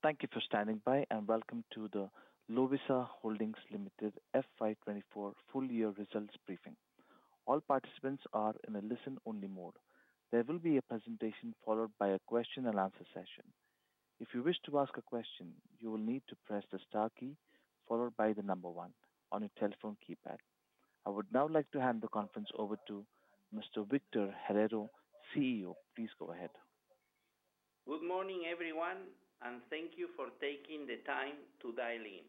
Thank you for standing by, and welcome to the Lovisa Holdings Limited FY2024 Full Year Results Briefing. All participants are in a listen-only mode. There will be a presentation followed by a question-and-answer session. If you wish to ask a question, you will need to press the star key, followed by the number one on your telephone keypad. I would now like to hand the conference over to Mr. Victor Herrero, CEO. Please go ahead. Good morning, everyone, and thank you for taking the time to dial in.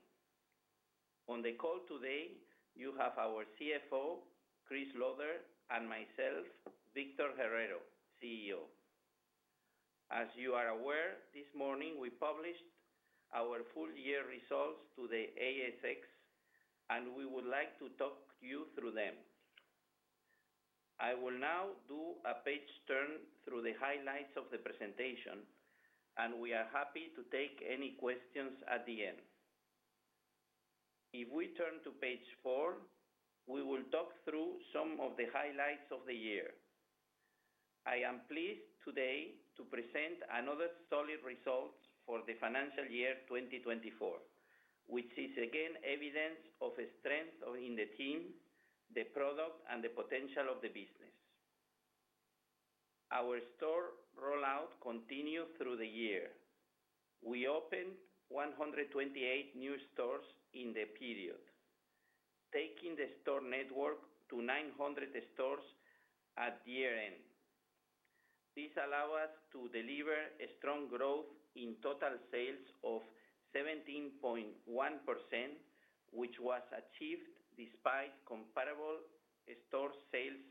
On the call today, you have our CFO, Chris Lodder, and myself, Victor Herrero, CEO. As you are aware, this morning we published our full year results to the ASX, and we would like to talk you through them. I will now do a page turn through the highlights of the presentation, and we are happy to take any questions at the end. If we turn to page four, we will talk through some of the highlights of the year. I am pleased today to present another solid result for the financial year 2024, which is again evidence of the strength of the team, the product, and the potential of the business. Our store rollout continued through the year. We opened 128 new stores in the period, taking the store network to 900 stores at the year-end. This allow us to deliver a strong growth in total sales of 17.1%, which was achieved despite comparable store sales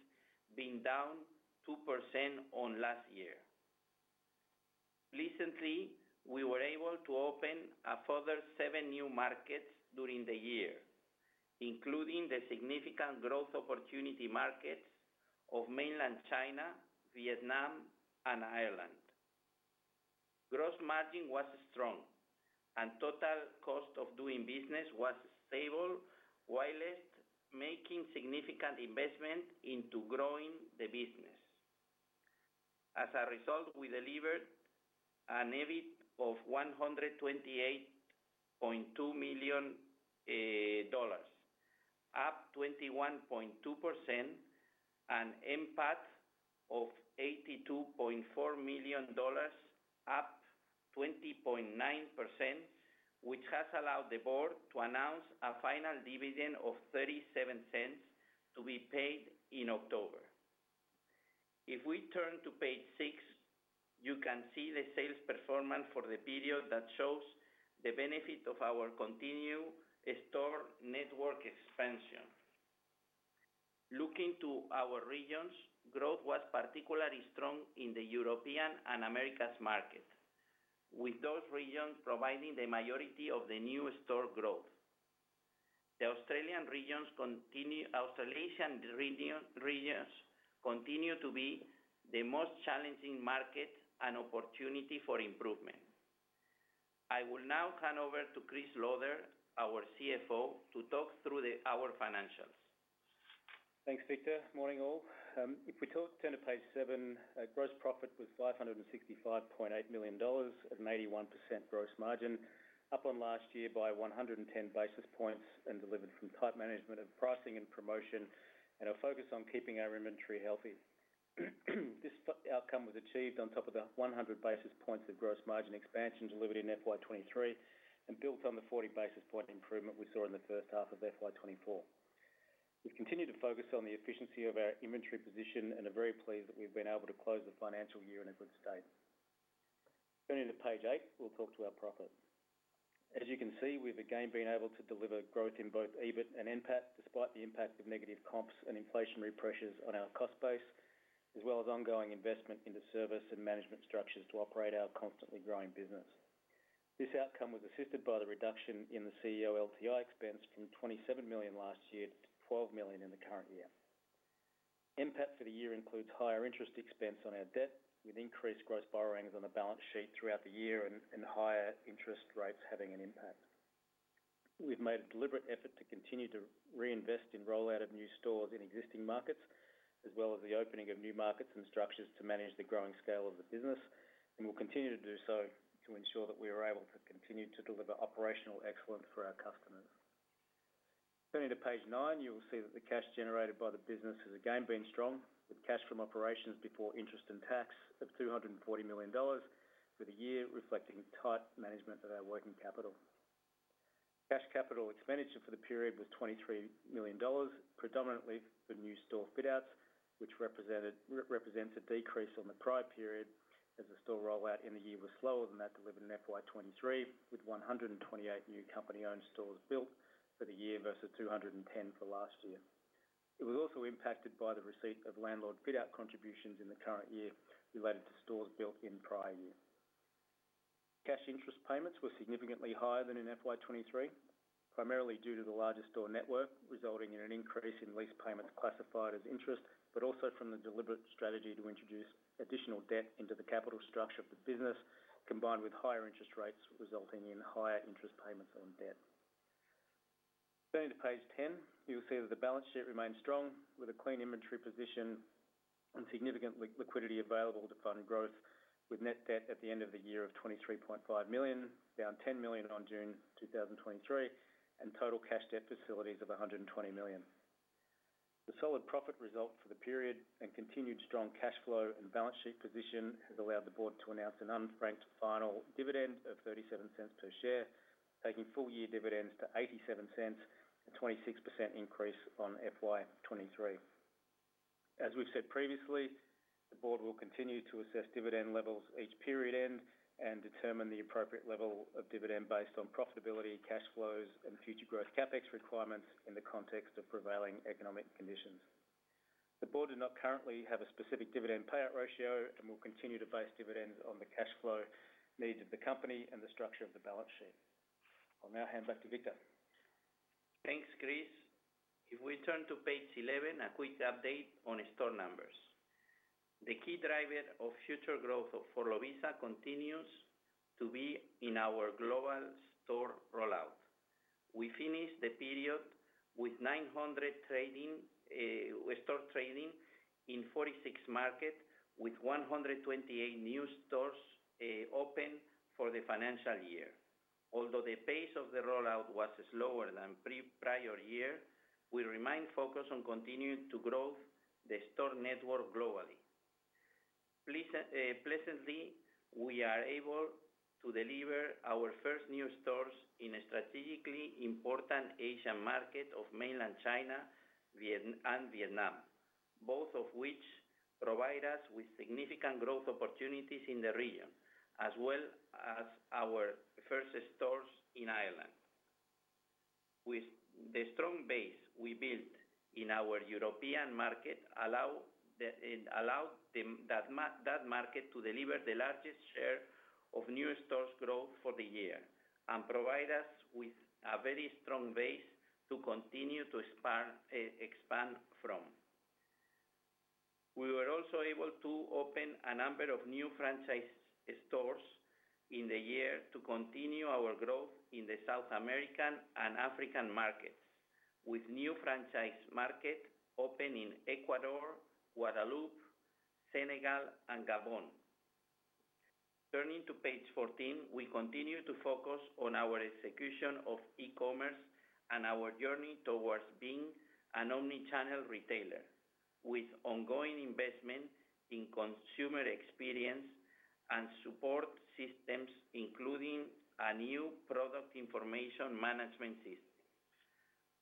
being down 2% on last year. Pleasantly, we were able to open a further 7 new markets during the year, including the significant growth opportunity markets of Mainland China, Vietnam, and Ireland. Gross margin was strong, and total cost of doing business was stable, while making significant investment into growing the business. As a result, we delivered an EBIT of 128.2 million dollars, up 21.2%, an NPAT of 82.4 million dollars, up 20.9%, which has allowed the board to announce a final dividend of 0.37 to be paid in October. If we turn to page 6, you can see the sales performance for the period that shows the benefit of our continued store network expansion. Looking to our regions, growth was particularly strong in the European and Americas market, with those regions providing the majority of the new store growth. The Australian regions continue--Australasian region, regions continue to be the most challenging market and opportunity for improvement. I will now hand over to Chris Lauder, our CFO, to talk through the, our financials. Thanks, Victor. Morning, all. If we talk, turn to page seven, gross profit was 565.8 million dollars at an 81% gross margin, up on last year by 110 basis points and delivered from tight management of pricing and promotion, and a focus on keeping our inventory healthy. This outcome was achieved on top of the 100 basis points of gross margin expansion delivered in FY 2023 and built on the 40 basis point improvement we saw in the first half of FY 2024. We've continued to focus on the efficiency of our inventory position and are very pleased that we've been able to close the financial year in a good state. Turning to page eight, we'll talk to our profit. As you can see, we've again been able to deliver growth in both EBIT and NPAT, despite the impact of negative comps and inflationary pressures on our cost base, as well as ongoing investment into service and management structures to operate our constantly growing business. This outcome was assisted by the reduction in the CEO LTI expense from 27 million last year to 12 million in the current year. NPAT for the year includes higher interest expense on our debt, with increased gross borrowings on the balance sheet throughout the year and higher interest rates having an impact. We've made a deliberate effort to continue to reinvest in rollout of new stores in existing markets, as well as the opening of new markets and structures to manage the growing scale of the business. We'll continue to do so to ensure that we are able to continue to deliver operational excellence for our customers. Turning to page 9, you will see that the cash generated by the business has again been strong, with cash from operations before interest and tax of 240 million dollars for the year, reflecting tight management of our working capital. Cash capital expenditure for the period was 23 million dollars, predominantly for new store fit-outs, which represents a decrease on the prior period as the store rollout in the year was slower than that delivered in FY 2023, with 128 new company-owned stores built for the year versus 210 for last year. It was also impacted by the receipt of landlord fit-out contributions in the current year related to stores built in prior years. Cash interest payments were significantly higher than in FY 2023, primarily due to the larger store network, resulting in an increase in lease payments classified as interest, but also from the deliberate strategy to introduce additional debt into the capital structure of the business, combined with higher interest rates resulting in higher interest payments on debt. Turning to page 10, you'll see that the balance sheet remains strong, with a clean inventory position and significant liquidity available to fund growth, with net debt at the end of the year of 23.5 million, down 10 million on June 2023, and total cash debt facilities of 120 million. The solid profit result for the period and continued strong cash flow and balance sheet position has allowed the board to announce an unfranked final dividend of 0.37 per share, taking full year dividends to 0.87, a 26% increase on FY 2023. As we've said previously, the board will continue to assess dividend levels each period end, and determine the appropriate level of dividend based on profitability, cash flows, and future growth CapEx requirements in the context of prevailing economic conditions. The board does not currently have a specific dividend payout ratio, and will continue to base dividends on the cash flow needs of the company and the structure of the balance sheet. I'll now hand back to Victor. Thanks, Chris. If we turn to page 11, a quick update on store numbers. The key driver of future growth for Lovisa continues to be in our global store rollout. We finished the period with 900 trading stores in 46 markets, with 128 new stores open for the financial year. Although the pace of the rollout was slower than prior year, we remain focused on continuing to grow the store network globally. Pleasantly, we are able to deliver our first new stores in a strategically important Asian market of Mainland China, Vietnam and, both of which provide us with significant growth opportunities in the region, as well as our first stores in Ireland. With the strong base we built in our European market, it allowed that market to deliver the largest share of new stores growth for the year and provide us with a very strong base to continue to expand, expand from. We were also able to open a number of new franchise stores in the year to continue our growth in the South American and African markets, with new franchise market open in Ecuador, Guadeloupe, Senegal and Gabon. Turning to page 14, we continue to focus on our execution of e-commerce and our journey towards being an omni-channel retailer, with ongoing investment in consumer experience and support systems, including a new product information management system.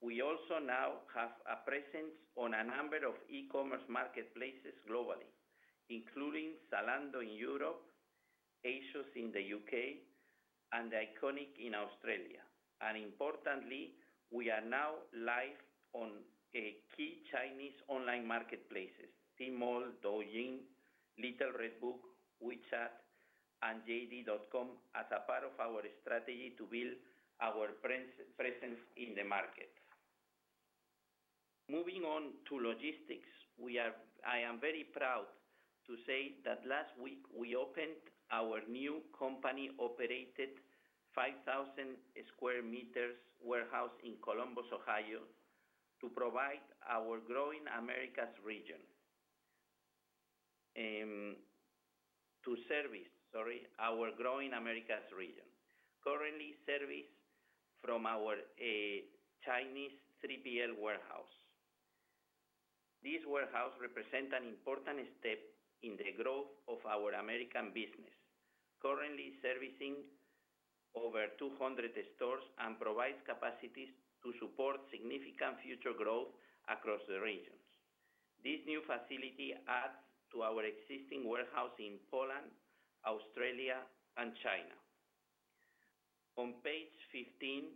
We also now have a presence on a number of e-commerce marketplaces globally, including Zalando in Europe, ASOS in the U.K., and THE ICONIC in Australia. And importantly, we are now live on key Chinese online marketplaces, Tmall, Douyin, Little Red Book, WeChat, and JD.com, as a part of our strategy to build our presence in the market. Moving on to logistics, I am very proud to say that last week we opened our new company-operated 5,000 square meters warehouse in Columbus, Ohio, to provide our growing Americas region to service our growing Americas region. Currently serviced from our Chinese 3PL warehouse. This warehouse represent an important step in the growth of our American business, currently servicing over 200 stores and provides capacities to support significant future growth across the regions. This new facility adds to our existing warehouse in Poland, Australia, and China. On page 15,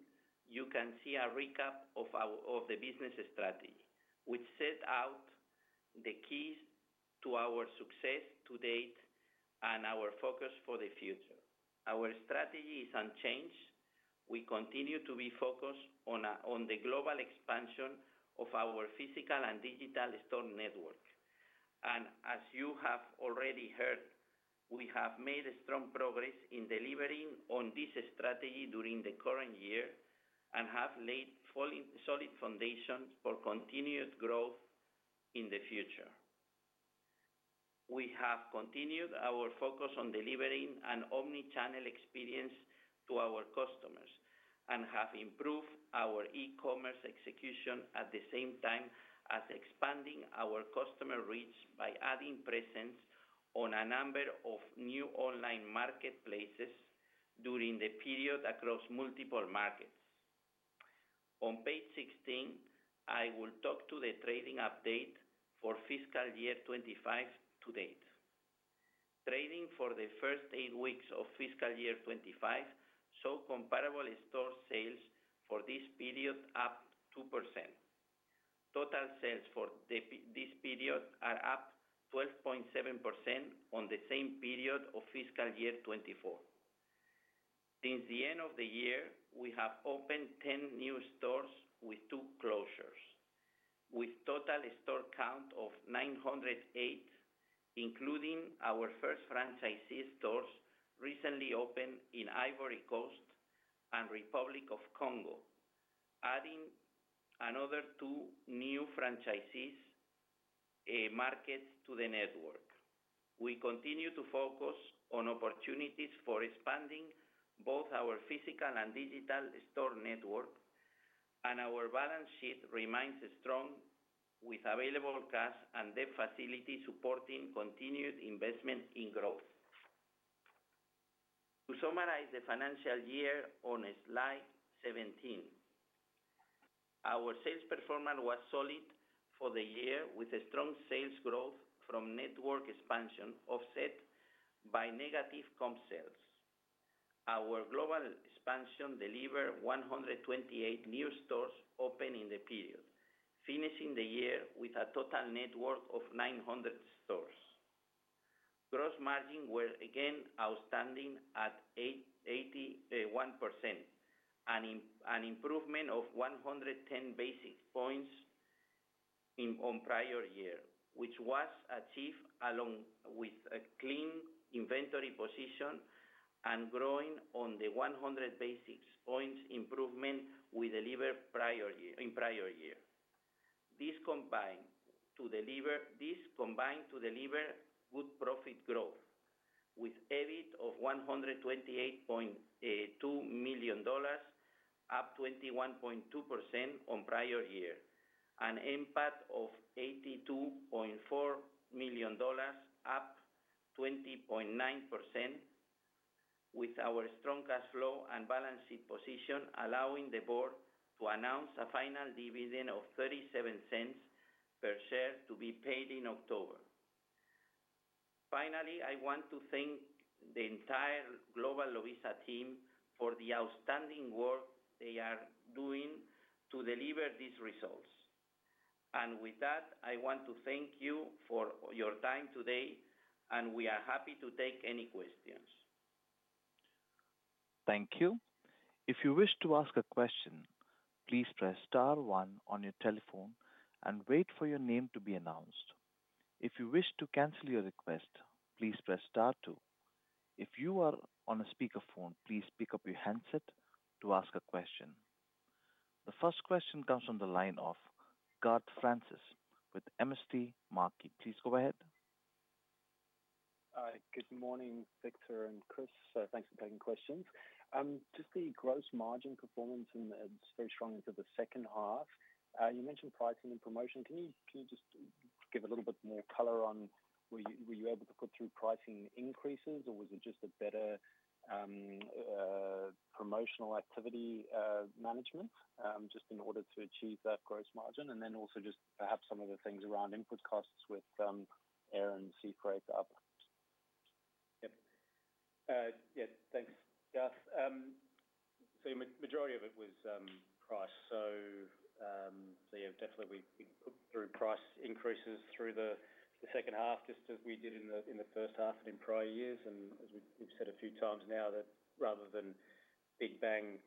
you can see a recap of our, of the business strategy, which set out the keys to our success to date and our focus for the future. Our strategy is unchanged. We continue to be focused on, on the global expansion of our physical and digital store network. And as you have already heard, we have made strong progress in delivering on this strategy during the current year and have laid solid foundations for continued growth in the future. We have continued our focus on delivering an omni-channel experience to our customers, and have improved our e-commerce execution, at the same time as expanding our customer reach by adding presence on a number of new online marketplaces during the period across multiple markets. On page 16, I will talk to the trading update for Fiscal Year 2025 to date. Trading for the first eight weeks of fiscal year 2025 saw comparable store sales for this period up 2%. Total sales for this period are up 12.7% on the same period of fiscal year 2024. Since the end of the year, we have opened 10 new stores with two closures, with total store count of 908, including our first franchisee stores recently opened in Ivory Coast and Republic of Congo, adding another two new franchisee markets to the network. We continue to focus on opportunities for expanding both our physical and digital store network, and our balance sheet remains strong with available cash and debt facility supporting continued investment in growth. To summarize the financial year on slide 17, our sales performance was solid for the year, with a strong sales growth from network expansion offset by negative comp sales. Our global expansion delivered 128 new stores open in the period, finishing the year with a total network of 900 stores. Gross margins were again outstanding at 88.1%, an improvement of 110 basis points on prior year, which was achieved along with a clean inventory position and growing on the 100 basis points improvement we delivered prior year. This combined to deliver good profit growth with EBIT of 128.2 million dollars, up 21.2% on prior year. NPAT of 82.4 million dollars, up 20.9% with our strong cash flow and balance sheet position, allowing the board to announce a final dividend of 0.37 per share to be paid in October. Finally, I want to thank the entire global Lovisa team for the outstanding work they are doing to deliver these results. And with that, I want to thank you for your time today, and we are happy to take any questions. Thank you. If you wish to ask a question, please press star one on your telephone and wait for your name to be announced. If you wish to cancel your request, please press star two. If you are on a speakerphone, please pick up your handset to ask a question. The first question comes from the line of Garth Francis with MST Marquee. Please go ahead. Good morning, Victor and Chris. Thanks for taking questions. Just the gross margin performance stayed strong into the second half. You mentioned pricing and promotion. Can you just give a little bit more color on were you able to put through pricing increases, or was it just a better promotional activity management just in order to achieve that gross margin? And then also just perhaps some of the things around input costs with air and sea freight up. Yep. Yeah, thanks, Garth. Majority of it was price. Yeah, definitely we put through price increases through the second half, just as we did in the first half and in prior years. As we've said a few times now, rather than big bang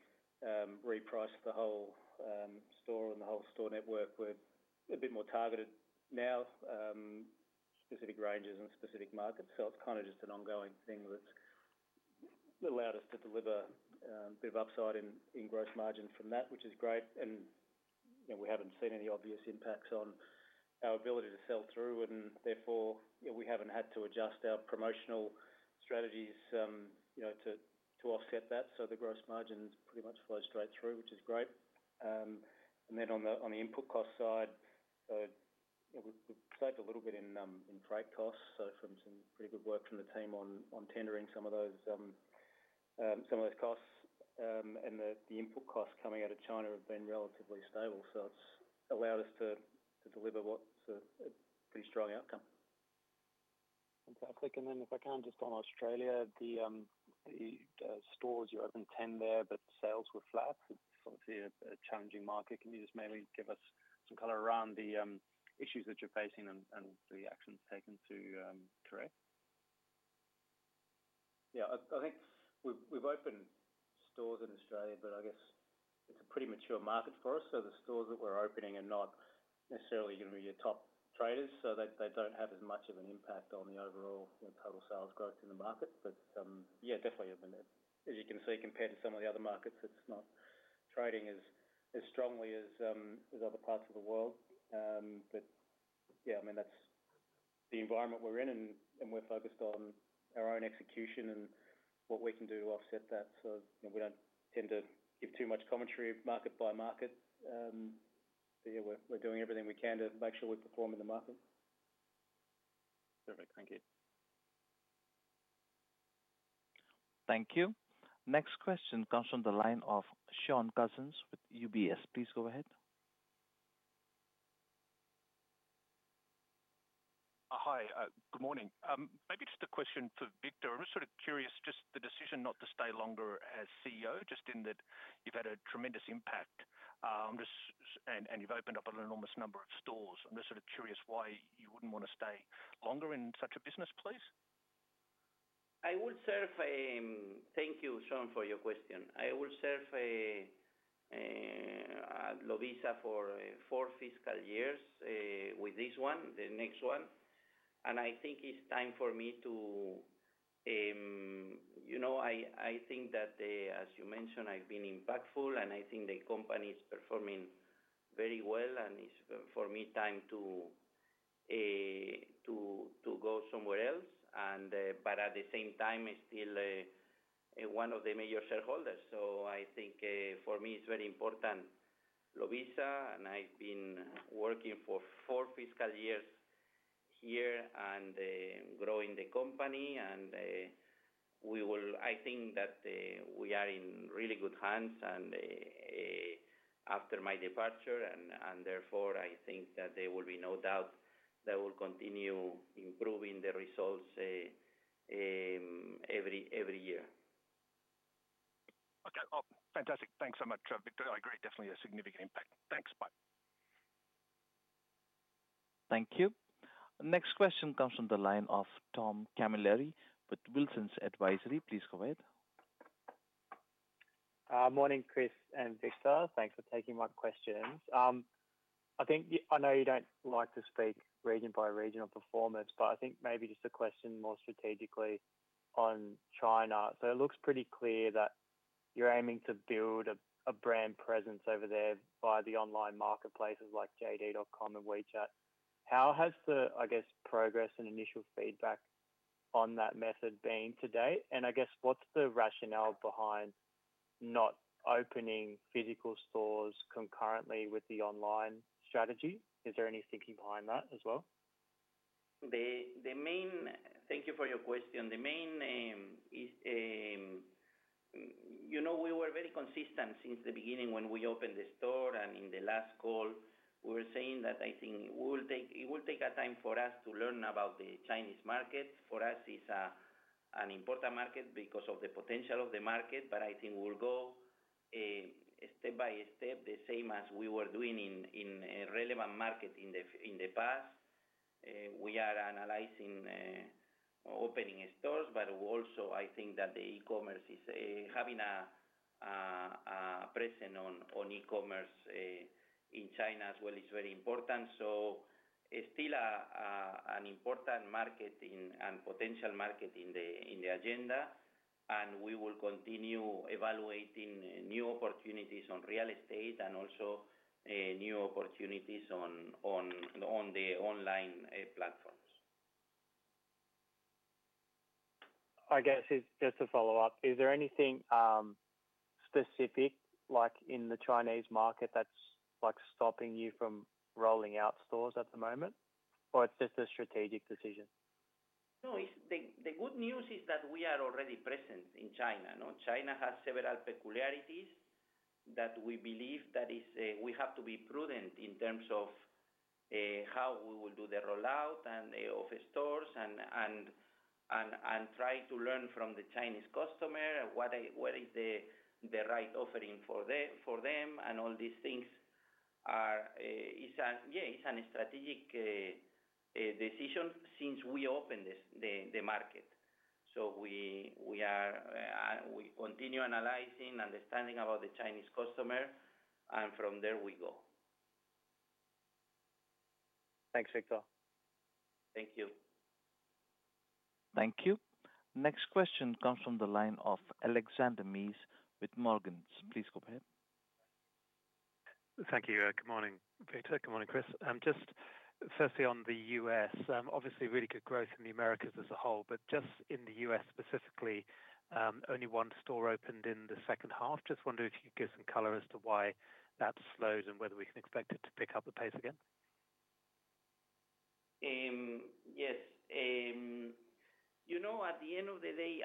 reprice the whole store and the whole store network, we're a bit more targeted now, specific ranges and specific markets. It's kind of just an ongoing thing that's allowed us to deliver a bit of upside in gross margins from that, which is great. You know, we haven't seen any obvious impacts on our ability to sell through, and therefore you know, we haven't had to adjust our promotional strategies you know, to offset that. So the gross margins pretty much flow straight through, which is great. And then on the input cost side, we saved a little bit in freight costs, so from some pretty good work from the team on tendering some of those costs. And the input costs coming out of China have been relatively stable, so it's allowed us to deliver what's a pretty strong outcome. Fantastic. And then if I can, just on Australia, the stores, you opened 10 there, but sales were flat. It's obviously a challenging market. Can you just mainly give us some color around the issues that you're facing and the actions taken to correct? Yeah, I think we've opened stores in Australia, but I guess it's a pretty mature market for us, so the stores that we're opening are not necessarily gonna be your top traders. So they don't have as much of an impact on the overall, you know, total sales growth in the market. But yeah, definitely, as you can see, compared to some of the other markets, it's not trading as strongly as other parts of the world. But yeah, I mean, that's the environment we're in, and we're focused on our own execution and what we can do to offset that. So, you know, we don't tend to give too much commentary market by market. But yeah, we're doing everything we can to make sure we perform in the market. Perfect. Thank you. Thank you. Next question comes from the line of Shaun Cousins with UBS. Please go ahead. Hi. Good morning. Maybe just a question for Victor. I'm just sort of curious, just the decision not to stay longer as CEO, just in that you've had a tremendous impact on this and you've opened up an enormous number of stores. I'm just sort of curious why you wouldn't want to stay longer in such a business, please? I will serve. Thank you, Shaun, for your question. I will serve Lovisa for four fiscal years, with this one, the next one, and I think it's time for me to, you know, I think that, as you mentioned, I've been impactful, and I think the company is performing very well, and it's for me time to go somewhere else and but at the same time, it's still one of the major shareholders. So I think, for me, it's very important, Lovisa, and I've been working for four fiscal years here and growing the company and. I think that we are in really good hands and after my departure and therefore I think that there will be no doubt that we'll continue improving the results every year. Okay. Fantastic. Thanks so much, Victor. I agree, definitely a significant impact. Thanks. Bye. Thank you. Next question comes from the line of Tom Camilleri with Wilsons Advisory. Please go ahead. Morning, Chris and Victor. Thanks for taking my questions. I think, I know you don't like to speak region by regional performance, but I think maybe just a question more strategically on China. So it looks pretty clear that you're aiming to build a brand presence over there by the online marketplaces like JD.com and WeChat. How has the progress and initial feedback on that method been to date? And I guess, what's the rationale behind not opening physical stores concurrently with the online strategy? Is there any thinking behind that as well? Thank you for your question. The main, you know, we were very consistent since the beginning when we opened the store, and in the last call, we were saying that I think it will take a time for us to learn about the Chinese market. For us, it's an important market because of the potential of the market, but I think we'll go step by step, the same as we were doing in relevant markets in the past. We are analyzing opening stores, but also I think that the e-commerce is having a presence on e-commerce in China as well is very important. It's still an important market and potential market in the agenda, and we will continue evaluating new opportunities on real estate and also new opportunities on the online platforms. I guess, just to follow up, is there anything, specific, like in the Chinese market, that's like stopping you from rolling out stores at the moment, or it's just a strategic decision? No, the good news is that we are already present in China, no? China has several peculiarities that we believe is we have to be prudent in terms of how we will do the rollout of stores and try to learn from the Chinese customer, what is the right offering for them, and all these things are. Yeah, it's a strategic decision since we opened the market. So we continue analyzing, understanding about the Chinese customer, and from there we go. Thanks, Victor. Thank you. Thank you. Next question comes from the line of Alexander Mees with Morgans. Please go ahead. Thank you. Good morning, Victor. Good morning, Chris. Just firstly, on the U.S., obviously really good growth in the Americas as a whole, but just in the U.S. specifically, only one store opened in the second half. Just wondering if you could give some color as to why that slowed and whether we can expect it to pick up the pace again? Yes. You know, at the end of the day,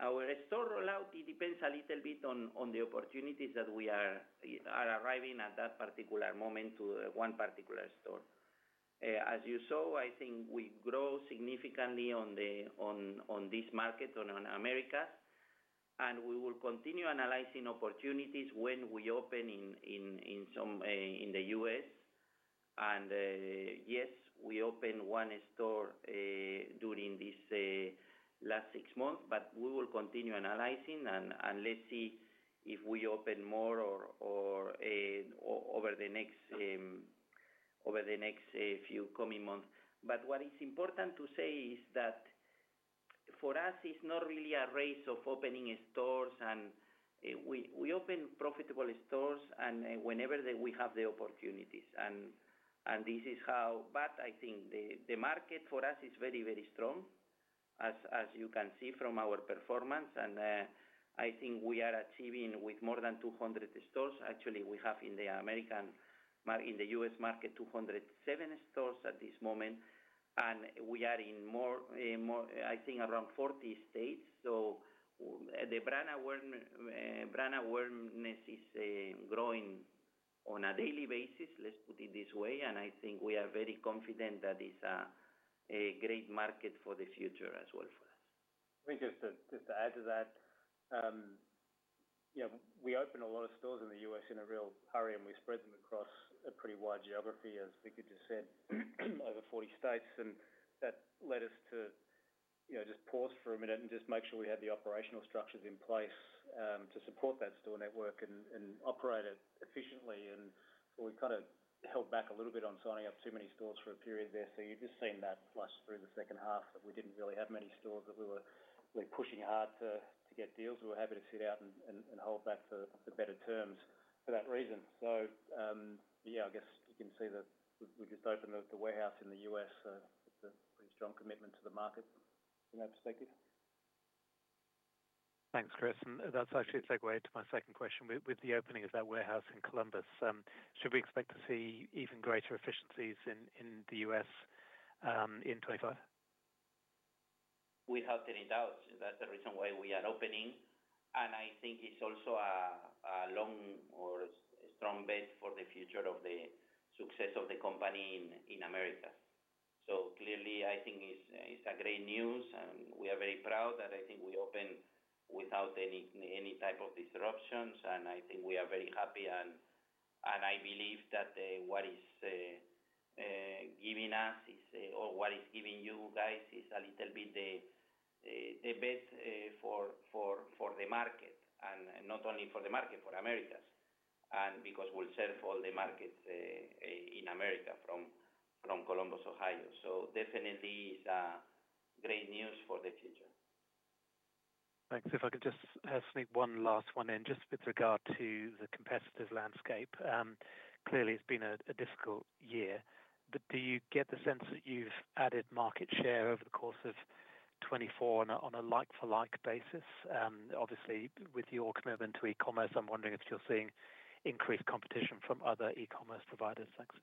our store rollout, it depends a little bit on the opportunities that we are arriving at that particular moment to one particular store. As you saw, I think we grow significantly on this market, on America, and we will continue analyzing opportunities when we open in some in the U.S. Yes, we opened one store during this last six months, but we will continue analyzing and let's see if we open more or over the next few coming months. But what is important to say is that for us, it's not really a race of opening stores, and we open profitable stores and whenever we have the opportunities, and this is how. But I think the market for us is very, very strong, as you can see from our performance, and I think we are achieving with more than 200 stores. Actually, we have in the American market, in the U.S. market, 207 stores at this moment, and we are in more, I think, around 40 states. So the brand awareness is growing on a daily basis, let's put it this way, and I think we are very confident that it's a great market for the future as well for us. I think just to add to that, you know, we opened a lot of stores in the U.S. in a real hurry, and we spread them across a pretty wide geography, as Victor just said, over forty states. And that led us to, you know, just pause for a minute and just make sure we had the operational structures in place, to support that store network and operate it efficiently. And we've kind of held back a little bit on signing up too many stores for a period there. So you've just seen that flush through the second half, but we didn't really have many stores that we were really pushing hard to get deals. We were happy to sit out and hold back for the better terms for that reason. Yeah, I guess you can see that we just opened up the warehouse in the US with a pretty strong commitment to the market. Is that perspective? Thanks, Chris. And that's actually a segue to my second question. With the opening of that warehouse in Columbus, should we expect to see even greater efficiencies in the U.S., in 2025? Without any doubt. That's the reason why we are opening, and I think it's also a long or strong bet for the future of the success of the company in America. So clearly, I think it's a great news, and we are very proud that I think we opened without any type of disruptions. And I think we are very happy, and I believe that what is giving us is, or what is giving you guys is a little bit the bet for the market, and not only for the market, for Americas. And because we'll serve all the markets in America from Columbus, Ohio. So definitely is great news for the future. Thanks. If I could just sneak one last one in, just with regard to the competitive landscape. Clearly, it's been a difficult year, but do you get the sense that you've added market share over the course of 2024 on a like for like basis? Obviously, with your commitment to e-commerce, I'm wondering if you're seeing increased competition from other e-commerce providers. Thanks.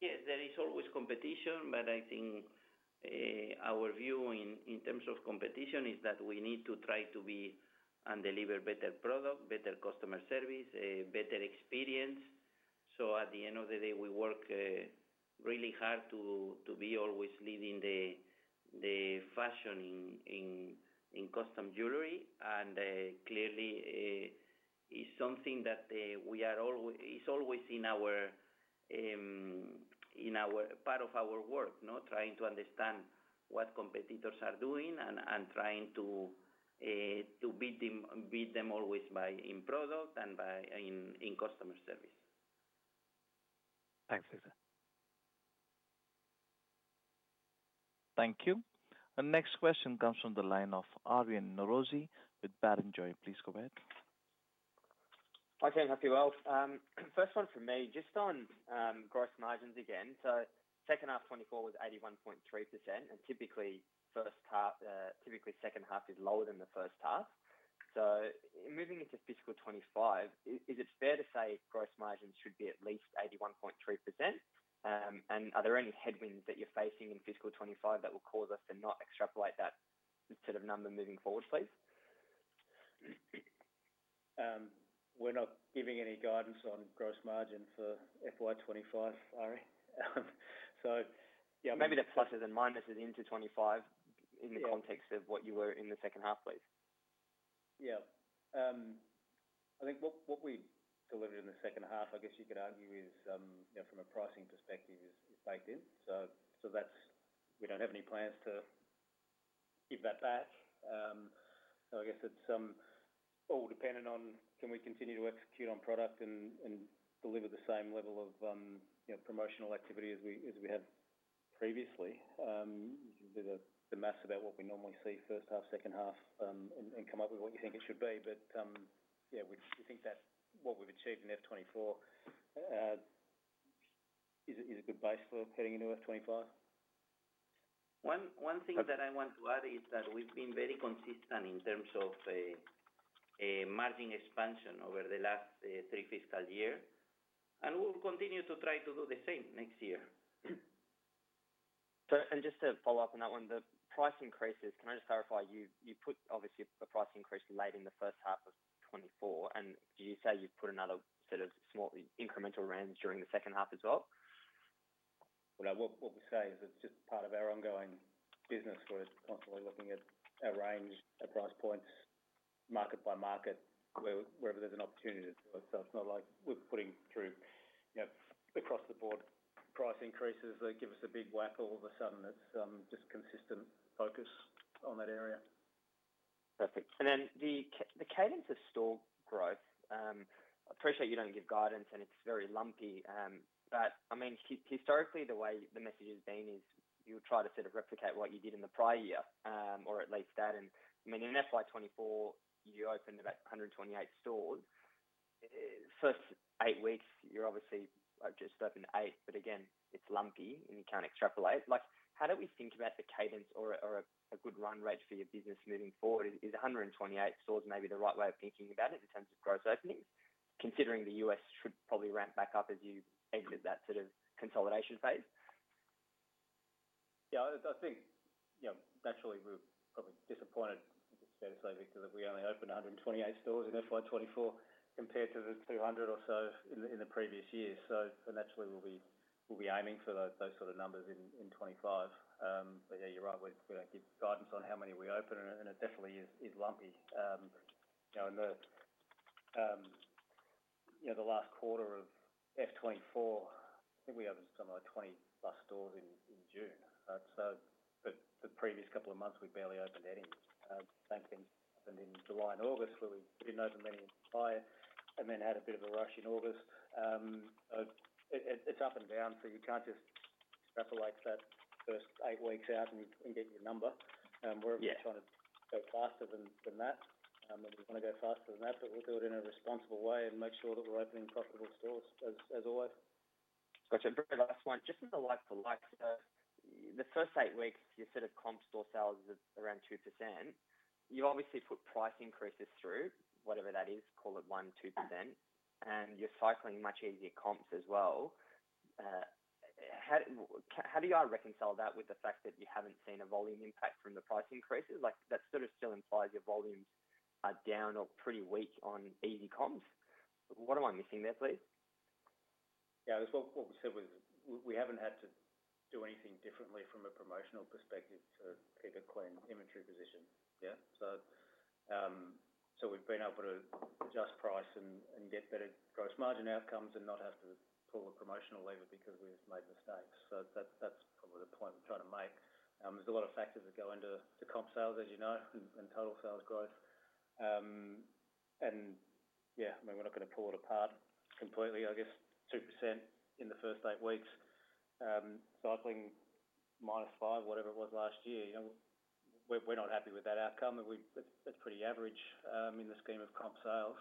Yes, there is always competition, but I think our view in terms of competition is that we need to try to be and deliver better product, better customer service, a better experience. So at the end of the day, we work really hard to be always leading the fashion in costume jewelry, and clearly, it's something that it's always in our part of our work, no? Trying to understand what competitors are doing and trying to beat them always by in product and by in customer service. Thanks, Victor. Thank you. The next question comes from the line of Aryan Norozi with Barrenjoey. Please go ahead. Hi, team, happy well. First one from me, just on gross margins again. So second half 2024 was 81.3%, and typically first half, typically second half is lower than the first half. So moving into fiscal 2025, is it fair to say gross margins should be at least 81.3%? And are there any headwinds that you're facing in fiscal 2025 that will cause us to not extrapolate that sort of number moving forward, please? We're not giving any guidance on gross margin for FY 2025, Aryan. So yeah. Maybe the pluses and minuses in 2025 Yeah In the context of what you were in the second half, please. Yeah. I think what we delivered in the second half, I guess you could argue, is, you know, from a pricing perspective, is baked in. So, that's. We don't have any plans to give that back. So I guess it's all dependent on can we continue to execute on product and deliver the same level of, you know, promotional activity as we have previously? The math about what we normally see first half, second half, and come up with what you think it should be. But yeah, we think that what we've achieved in FY 2024 is a good base for heading into FY 2025. One thing that I want to add is that we've been very consistent in terms of a margin expansion over the last three fiscal year, and we'll continue to try to do the same next year. Just to follow up on that one, the price increases. Can I just clarify? You obviously put a price increase late in the first half of 2024, and did you say you'd put another set of small incremental rounds during the second half as well? What we say is it's just part of our ongoing business. We're constantly looking at our range, our price points, market by market, wherever there's an opportunity to do it. So it's not like we're putting through, you know, across the board price increases that give us a big whack all of a sudden. It's just consistent focus on that area. Perfect. And then the cadence of store growth. I appreciate you don't give guidance, and it's very lumpy. But I mean, historically, the way the message has been is you try to sort of replicate what you did in the prior year, or at least that. And I mean, in FY 2024, you opened about 128 stores. First eight weeks, you're obviously just opened eight, but again, it's lumpy, and you can't extrapolate. Like, how do we think about the cadence or a good run rate for your business moving forward? Is 128 stores maybe the right way of thinking about it in terms of growth openings, considering the U.S. should probably ramp back up as you exit that sort of consolidation phase? Yeah, I think, you know, naturally, we're probably disappointed. Fair to say, Victor, that we only opened 128 stores in FY 2024 compared to the 200 or so in the previous years. So, and naturally we'll be aiming for those sort of numbers in 2025. But yeah, you're right, we don't give guidance on how many we open, and it definitely is lumpy. You know, in the last quarter of FY 2024, I think we opened something like 20-plus stores in June. So the previous couple of months, we barely opened any. Same thing happened in July and August, where we didn't open many either, and then had a bit of a rush in August. It's up and down, so you can't just extrapolate that first eight weeks out and get your number. Yeah. We're trying to go faster than that, and we want to go faster than that, but we'll do it in a responsible way and make sure that we're opening profitable stores as always. Gotcha. Very last one. Just as a like to like, the first eight weeks, you said a comp store sales is around 2%. You obviously put price increases through, whatever that is, call it 1%-2%, and you're cycling much easier comps as well. How do you reconcile that with the fact that you haven't seen a volume impact from the price increases? Like, that sort of still implies your volumes are down or pretty weak on easy comps. What am I missing there, please? Yeah, that's what we said was we haven't had to do anything differently from a promotional perspective to keep a clean inventory position. Yeah. So, so we've been able to adjust price and get better gross margin outcomes and not have to pull the promotional lever because we've made mistakes. So that's probably the point I'm trying to make. There's a lot of factors that go into the comp sales, as you know, and total sales growth. And yeah, I mean, we're not going to pull it apart completely. I guess 2% in the first eight weeks, cycling -5%, whatever it was last year, you know, we're not happy with that outcome, and we, that's pretty average, in the scheme of comp sales,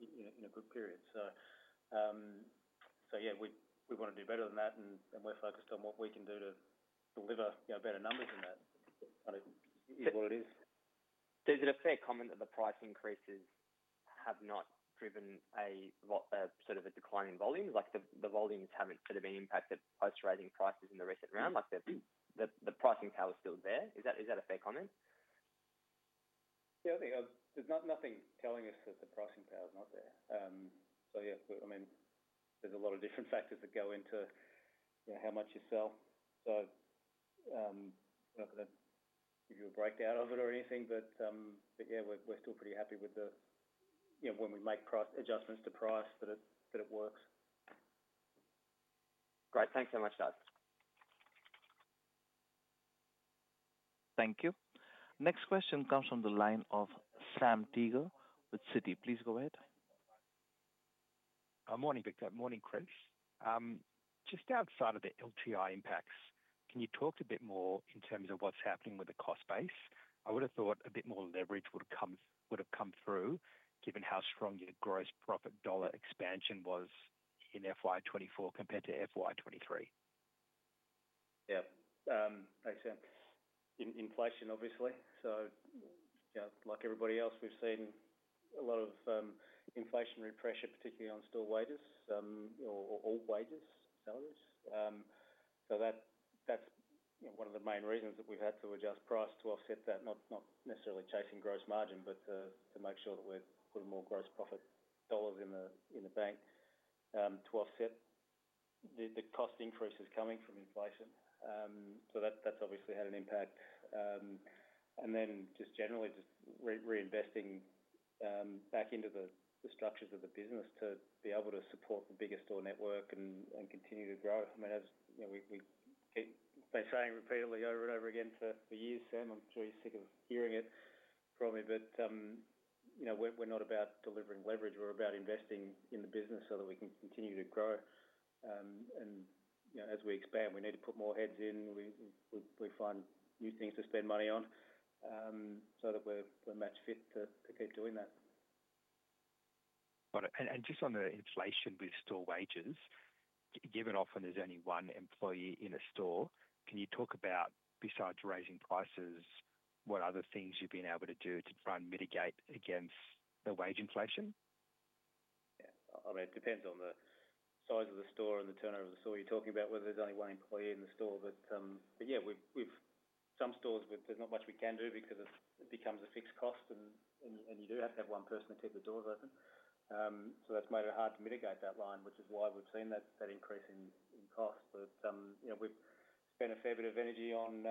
in a good period. Yeah, we want to do better than that, and we're focused on what we can do to deliver, you know, better numbers than that. But it is what it is. Is it a fair comment that the price increases have not driven a lot, sort of a decline in volumes? Like, the volumes haven't sort of been impacted post-raising prices in the recent round. Like, the pricing power is still there. Is that a fair comment? Yeah, I think, there's not nothing telling us that the pricing power is not there. So yeah, I mean, there's a lot of different factors that go into, you know, how much you sell. So, I'm not gonna give you a breakdown of it or anything, but, but yeah, we're still pretty happy with the. You know, when we make price adjustments to price, that it works. Great. Thanks so much, guys. Thank you. Next question comes from the line of Sam Teeger with Citi. Please go ahead. Morning, Victor. Morning, Chris. Just outside of the LTI impacts, can you talk a bit more in terms of what's happening with the cost base? I would have thought a bit more leverage would have come through, given how strong your gross profit dollar expansion was in FY 2024 compared to FY 2023. Yeah. Makes sense. In inflation, obviously. So, you know, like everybody else, we've seen a lot of inflationary pressure, particularly on store wages, or wages, salaries. So that, that's, you know, one of the main reasons that we've had to adjust price to offset that, not necessarily chasing gross margin, but to make sure that we've put more gross profit dollars in the, in the bank, to offset the cost increases coming from inflation. So that, that's obviously had an impact. And then just generally, just reinvesting back into the structures of the business to be able to support the bigger store network and continue to grow. I mean, as you know, we've been saying repeatedly over and over again for years, Sam. I'm sure you're sick of hearing it from me, but you know, we're not about delivering leverage. We're about investing in the business so that we can continue to grow. And you know, as we expand, we need to put more heads in. We find new things to spend money on so that we're match fit to keep doing that. Got it. And, just on the inflation with store wages, given often there's only one employee in a store, can you talk about, besides raising prices, what other things you've been able to do to try and mitigate against the wage inflation? Yeah. I mean, it depends on the size of the store and the turnover of the store you're talking about, whether there's only one employee in the store. But yeah, we've some stores where there's not much we can do because it becomes a fixed cost, and you do have to have one person to keep the doors open. So that's made it hard to mitigate that line, which is why we've seen that increase in cost. But you know, we've spent a fair bit of energy on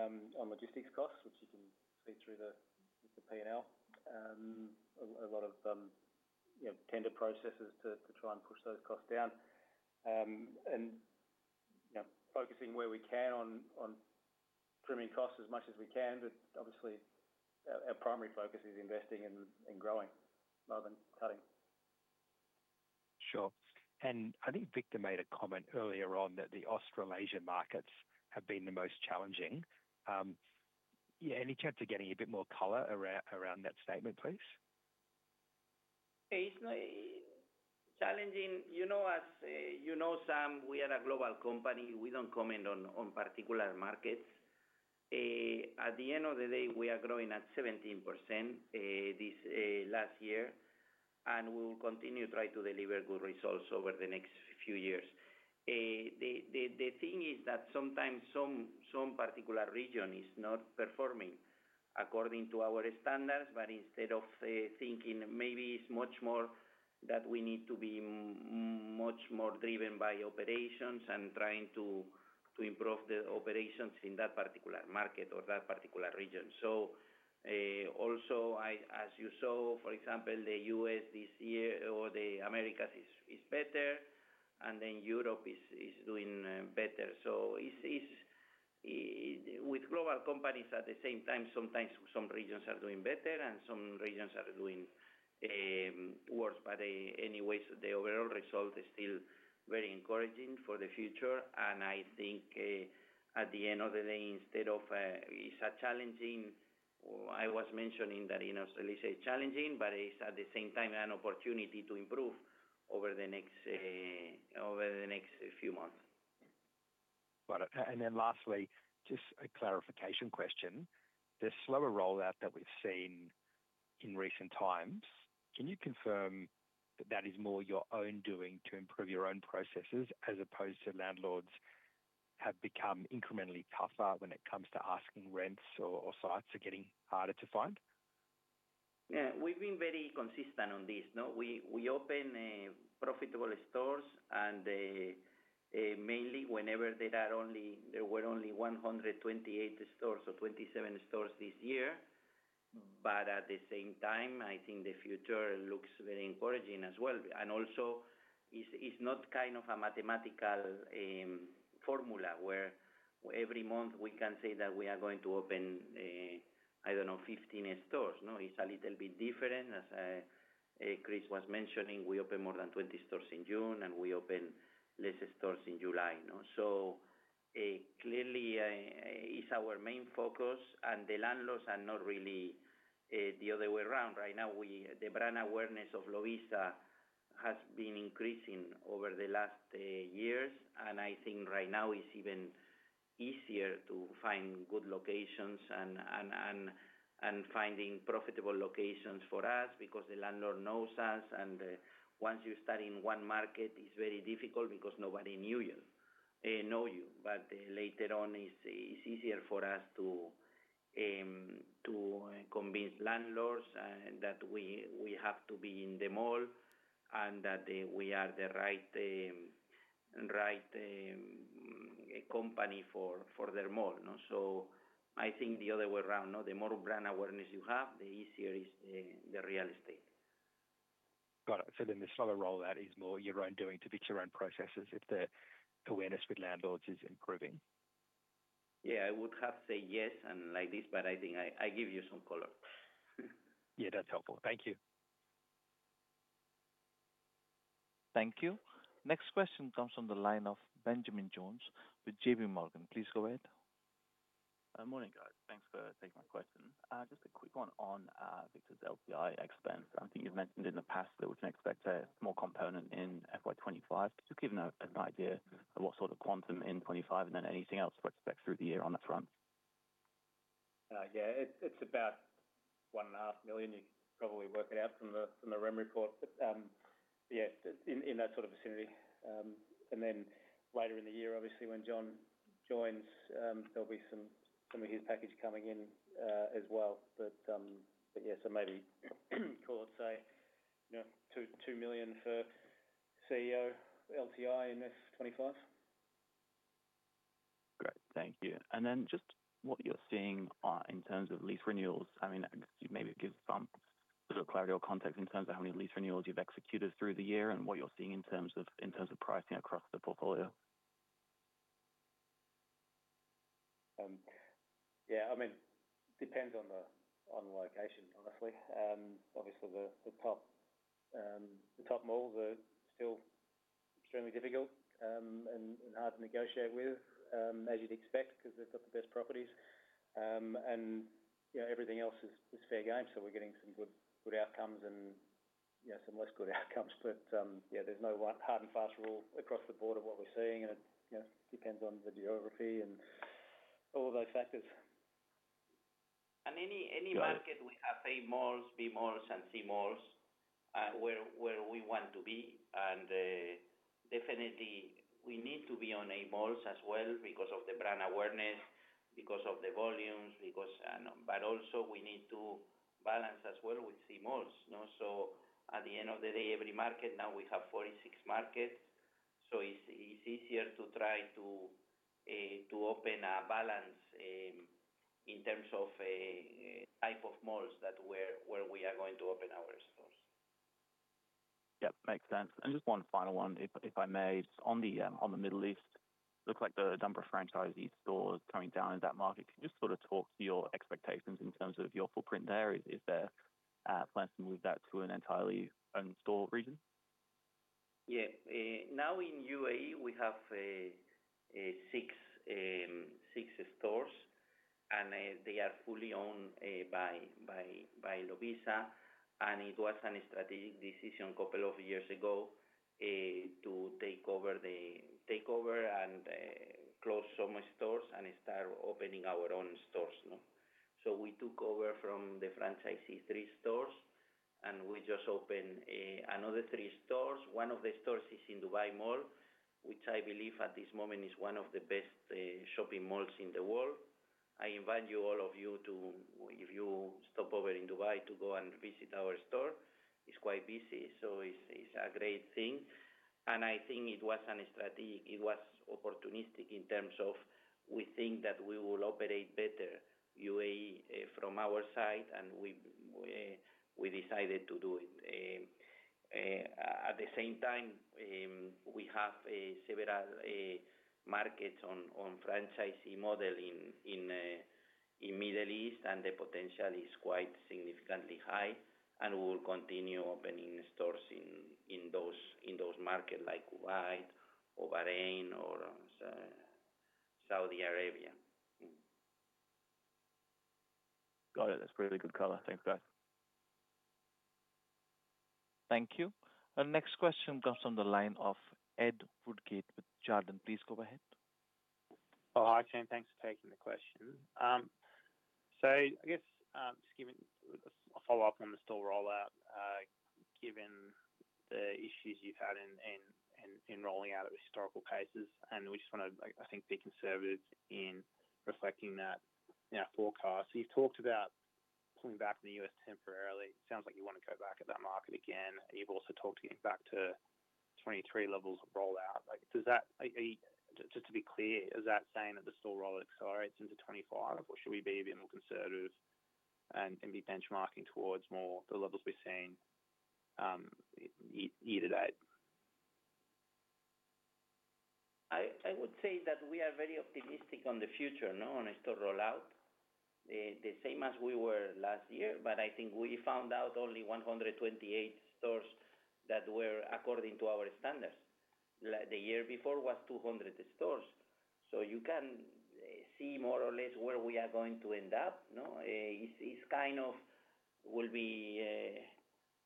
logistics costs, which you can see through the P&L. A lot of you know, tender processes to try and push those costs down. You know, focusing where we can on trimming costs as much as we can, but obviously, our primary focus is investing in growing rather than cutting. Sure. And I think Victor made a comment earlier on that the Australasia markets have been the most challenging. Yeah, any chance of getting a bit more color around that statement, please? It's not challenging. You know, as you know, Sam, we are a global company. We don't comment on particular markets. At the end of the day, we are growing at 17% this last year and we will continue to try to deliver good results over the next few years. The thing is that sometimes a particular region is not performing according to our standards, but instead of thinking, maybe it's much more that we need to be much more driven by operations and trying to improve the operations in that particular market or that particular region. So, also, as you saw, for example, the U.S. this year or the Americas is better, and then Europe is doing better. So it's with global companies at the same time, sometimes some regions are doing better and some regions are doing worse. But, anyways, the overall result is still very encouraging for the future, and I think, at the end of the day, instead of, it's a challenging or I was mentioning that, you know, let's say challenging, but it's at the same time an opportunity to improve over the next few months. Got it. And then lastly, just a clarification question. The slower rollout that we've seen in recent times, can you confirm that is more your own doing to improve your own processes, as opposed to landlords have become incrementally tougher when it comes to asking rents or, or sites are getting harder to find? Yeah, we've been very consistent on this, no? We open profitable stores and mainly whenever there were only 128 stores, so 27 stores this year. But at the same time, I think the future looks very encouraging as well. And also is, it's not kind of a mathematical formula, where every month we can say that we are going to open a, I don't know, 15 stores. No, it's a little bit different. As Chris was mentioning, we opened more than 20 stores in June, and we opened less stores in July, you know. So, clearly, it's our main focus, and the landlords are not really the other way around. Right now, the brand awareness of Lovisa has been increasing over the last years, and I think right now it's even easier to find good locations and finding profitable locations for us because the landlord knows us, and once you start in one market, it's very difficult because nobody knew you, know you. But later on, it's easier for us to convince landlords that we have to be in the mall and that we are the right company for their mall, no? So I think the other way around, no, the more brand awareness you have, the easier is the real estate. Got it. So then the slower rollout is more your own doing to fix your own processes if the awareness with landlords is improving? Yeah, I would have to say yes, and like this, but I think I gave you some color. Yeah, that's helpful. Thank you. Thank you. Next question comes from the line of Benjamin Jones with JP Morgan. Please go ahead. Morning, guys. Thanks for taking my question. Just a quick one on Victor's LTI expense. I think you've mentioned in the past that we can expect a small component in FY 2025. Just give me an idea of what sort of quantum in 2025, and then anything else what to expect through the year on that front. Yeah, it's about 1.5 million. You can probably work it out from the REM report, but yeah, in that sort of vicinity, and then later in the year, obviously, when John joins, there'll be some of his package coming in as well, but yeah, so maybe call it, say, you know, 2 million for CEO LTI in FY25. Great. Thank you. And then just what you're seeing in terms of lease renewals, I mean, maybe give some little clarity or context in terms of how many lease renewals you've executed through the year and what you're seeing in terms of pricing across the portfolio. Yeah, I mean, it depends on the location, honestly. Obviously, the top malls are still extremely difficult and hard to negotiate with, as you'd expect, because they've got the best properties. And, you know, everything else is fair game, so we're getting some good outcomes and, you know, some less good outcomes. But, yeah, there's no one hard and fast rule across the board of what we're seeing, and, you know, it depends on the geography and all those factors. And any. Got it. Market we have A malls, B malls, and C malls, where, where we want to be, and definitely we need to be on A malls as well because of the brand awareness, because of the volumes, because. But also we need to balance as well with C malls, you know? So at the end of the day, every market, now we have 46 markets, so it's easier to try to open a balance in terms of a type of malls that where we are going to open our stores. Yep, makes sense. And just one final one, if I may. On the Middle East, looks like the number of franchisee stores coming down in that market. Can you just sort of talk to your expectations in terms of your footprint there? Is there plans to move that to an entirely owned store region? Yeah. Now in UAE, we have six stores, and they are fully owned by Lovisa. And it was a strategic decision a couple of years ago to take over and close some stores and start opening our own stores, no? So we took over from the franchisee three stores, and we just opened another three stores. One of the stores is in Dubai Mall, which I believe at this moment is one of the best shopping malls in the world. I invite you, all of you, to, if you stop over in Dubai, to go and visit our store. It's quite busy, so it's a great thing. I think it was opportunistic in terms of we think that we will operate better in the UAE from our side, and we decided to do it. At the same time, we have several markets on franchise model in the Middle East, and the potential is quite significantly high, and we will continue opening stores in those markets like Kuwait or Bahrain or Saudi Arabia. Got it. That's really good color. Thanks, guys. Thank you. Our next question comes from the line of Ed Woodgate with Jarden. Please go ahead. Oh, hi, Shane. Thanks for taking the question. So I guess, just giving a follow-up on the store rollout, given the issues you've had in rolling out at historical paces, and we just wanna, like, I think, be conservative in reflecting that in our forecast. You've talked about pulling back to the U.S. temporarily. It sounds like you wanna go back at that market again. You've also talked about getting back to 23 levels of rollout. Like, does that just to be clear, is that saying that the store rollout accelerates into 25, or should we be a bit more conservative and be benchmarking towards more the levels we're seeing, year-to-date? I would say that we are very optimistic on the future, no, on the store rollout, the same as we were last year. But I think we found out only 128 stores that were according to our standards. The year before was 200 stores. So you can see more or less where we are going to end up, no? It's kind of will be,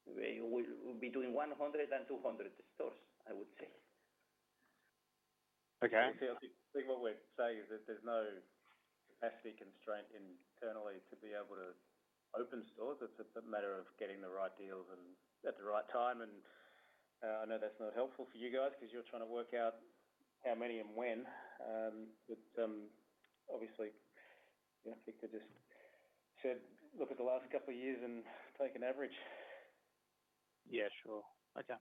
we'll be between 100 and 200 stores, I would say. Okay. I think what we're saying is that there's no capacity constraint internally to be able to open stores. It's a matter of getting the right deals and at the right time, and I know that's not helpful for you guys 'cause you're trying to work out how many and when, but obviously, you know, I think I just said, look at the last couple of years and take an average. Yeah, sure. Okay.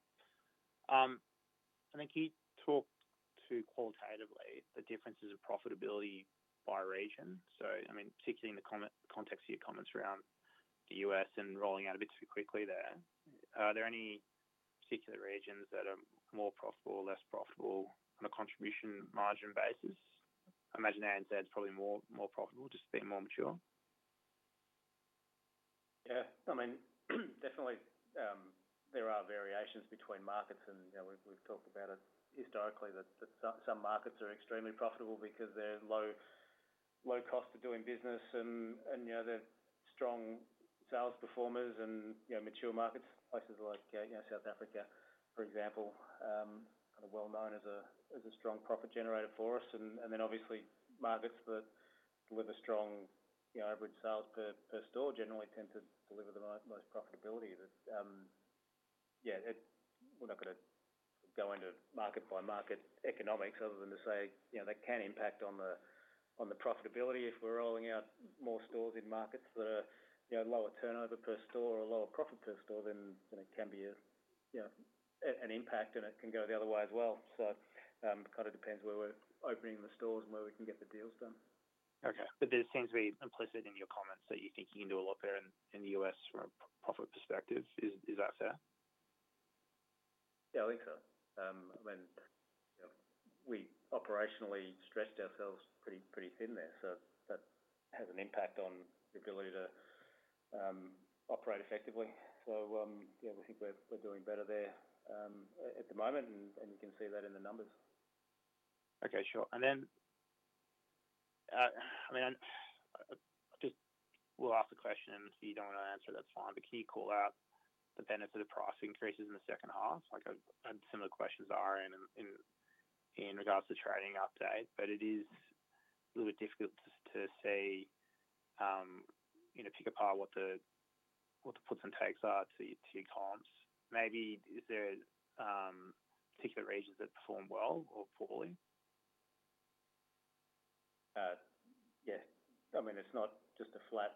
I think you talked to qualitatively the differences of profitability by region. So I mean, particularly in the context of your comments around the U.S. and rolling out a bit too quickly there, are there any particular regions that are more profitable or less profitable on a contribution margin basis? I imagine ANZ is probably more, more profitable just being more mature. Yeah. I mean, definitely, there are variations between markets, and, you know, we've talked about it historically, that some markets are extremely profitable because they're low cost of doing business and, you know, they're strong sales performers and, you know, mature markets. Places like, you know, South Africa, for example, kind of well known as a strong profit generator for us. And then obviously, markets that with a strong, you know, average sales per store generally tend to deliver the most profitability. But, yeah, we're not gonna go into market-by-market economics other than to say, you know, that can impact on the profitability if we're rolling out more stores in markets that are, you know, lower turnover per store or lower profit per store, then it can be a, you know, an impact, and it can go the other way as well. So, it kind of depends where we're opening the stores and where we can get the deals done. Okay. But this seems to be implicit in your comments that you think you can do a lot better in the U.S. from a profit perspective. Is that fair? Yeah, I think so. When, you know, we operationally stretched ourselves pretty thin there, so that has an impact on the ability to operate effectively, so yeah, we think we're doing better there at the moment, and you can see that in the numbers. Okay, sure. And then, I mean, I just will ask the question, and if you don't want to answer, that's fine. But can you call out the benefit of price increases in the second half? Like, I had similar questions arising in regards to trading update, but it is a little bit difficult to say, you know, pick apart what the puts and takes are to your comps. Maybe there are particular regions that perform well or poorly? Yeah. I mean, it's not just a flat,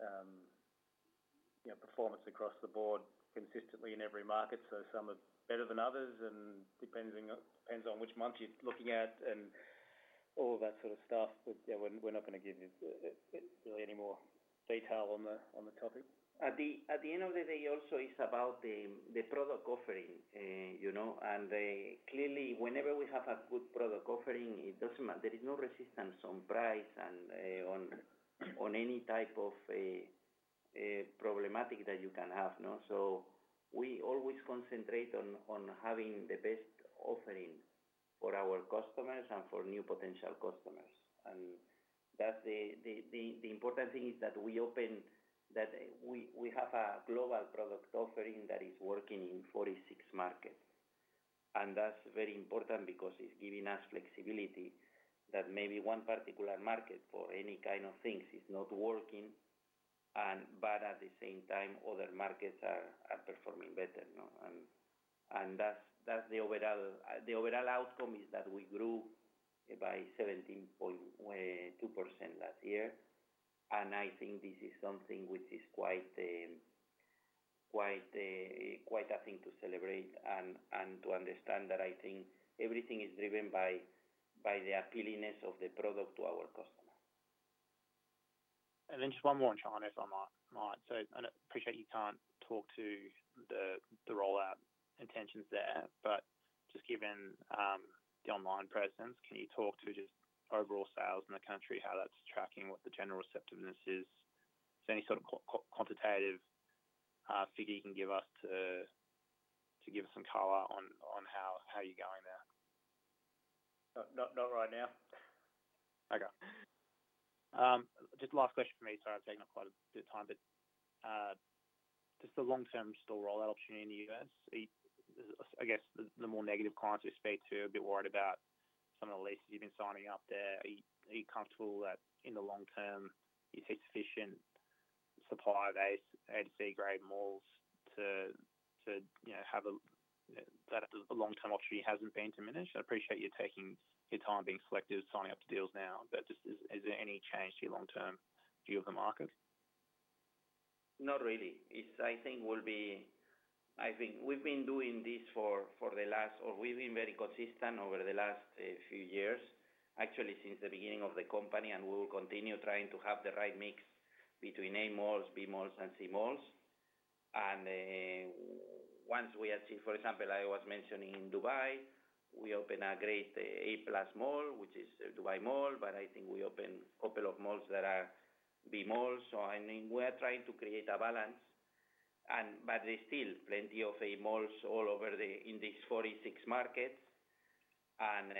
you know, performance across the board consistently in every market, so some are better than others, and depending on which month you're looking at and all that sort of stuff. But, yeah, we're not going to give you really any more detail on the topic. At the end of the day, also, it's about the product offering, you know, and clearly, whenever we have a good product offering, it doesn't matter. There is no resistance on price and on any type of a problematic that you can have, no? So we always concentrate on having the best offering for our customers and for new potential customers. That's the important thing is that we have a global product offering that is working in forty-six markets and that's very important because it's giving us flexibility that maybe one particular market for any kind of things is not working and but at the same time, other markets are performing better, you know? The overall outcome is that we grew by 17.2% last year, and I think this is something which is quite a thing to celebrate and to understand that I think everything is driven by the appealiness of the product to our customer. And then just one more on China, if I might. So I appreciate you can't talk to the rollout intentions there, but just given the online presence, can you talk to just overall sales in the country, how that's tracking, what the general receptiveness is? Is there any sort of quantitative figure you can give us to give us some color on how you're going there? Not right now. Okay. Just last question for me. Sorry, I'm taking up quite a bit of time, but just the long-term store rollout opportunity in the US. I guess the more negative clients we speak to are a bit worried about some of the leases you've been signing up there. Are you comfortable that in the long term, you see sufficient supply of A- and C-grade malls to, you know, have a... That the long-term opportunity hasn't been diminished? I appreciate you taking your time, being selective, signing up to deals now, but just is there any change to your long-term view of the market? Not really. I think we've been doing this for the last few years, actually since the beginning of the company, and we will continue trying to have the right mix between A malls, B malls, and C malls. And once we achieve, for example, I was mentioning in Dubai, we opened a great A plus mall, which is the Dubai Mall, but I think we opened a couple of malls that are B malls. So, I mean, we are trying to create a balance and but there's still plenty of A malls all over in these 46 markets and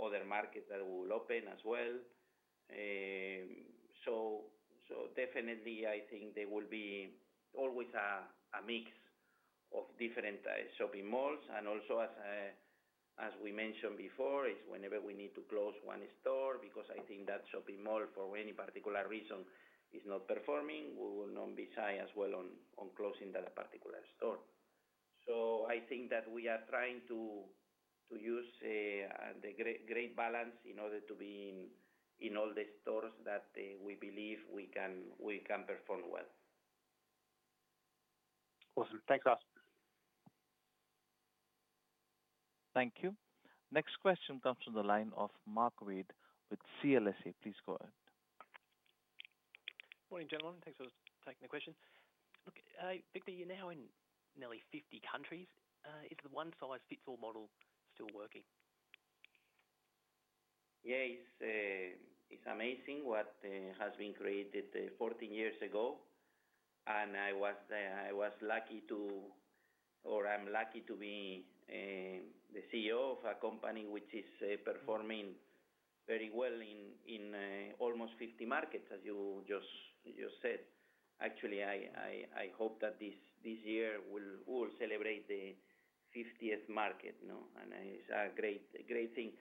other markets that will open as well. So definitely, I think there will be always a mix of different shopping malls. As we mentioned before, whenever we need to close one store, because I think that shopping mall, for any particular reason, is not performing, we will not be shy as well on closing that particular store. So I think that we are trying to use the great balance in order to be in all the stores that we believe we can perform well. Awesome. Thanks a lot. Thank you. Next question comes from the line of Mark Wade with CLSA. Please go ahead. Morning, gentlemen. Thanks for taking the question. Look, Victor, you're now in nearly 50 countries. Is the one-size-fits-all model still working? Yeah, it's amazing what has been created 14 years ago. And I was lucky or I'm lucky to be the CEO of a company which is performing very well in almost 50 markets, as you just said. Actually, I hope that this year we'll celebrate the 50th market, you know, and it's a great thing.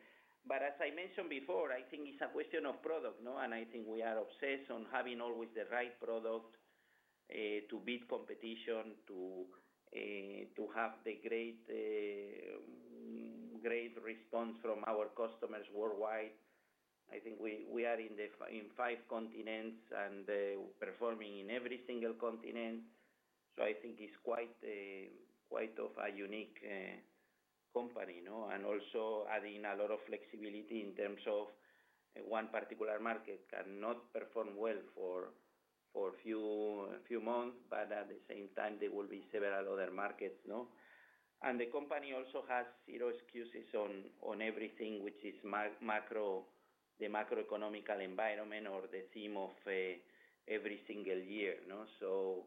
But as I mentioned before, I think it's a question of product, you know, and I think we are obsessed on having always the right product to beat competition, to have the great response from our customers worldwide. I think we are in five continents and performing in every single continent. So I think it's quite a unique company, you know. And also adding a lot of flexibility in terms of one particular market cannot perform well for a few months, but at the same time, there will be several other markets, no? And the company also has zero excuses on everything which is macro, the macroeconomic environment or the theme of every single year, you know. So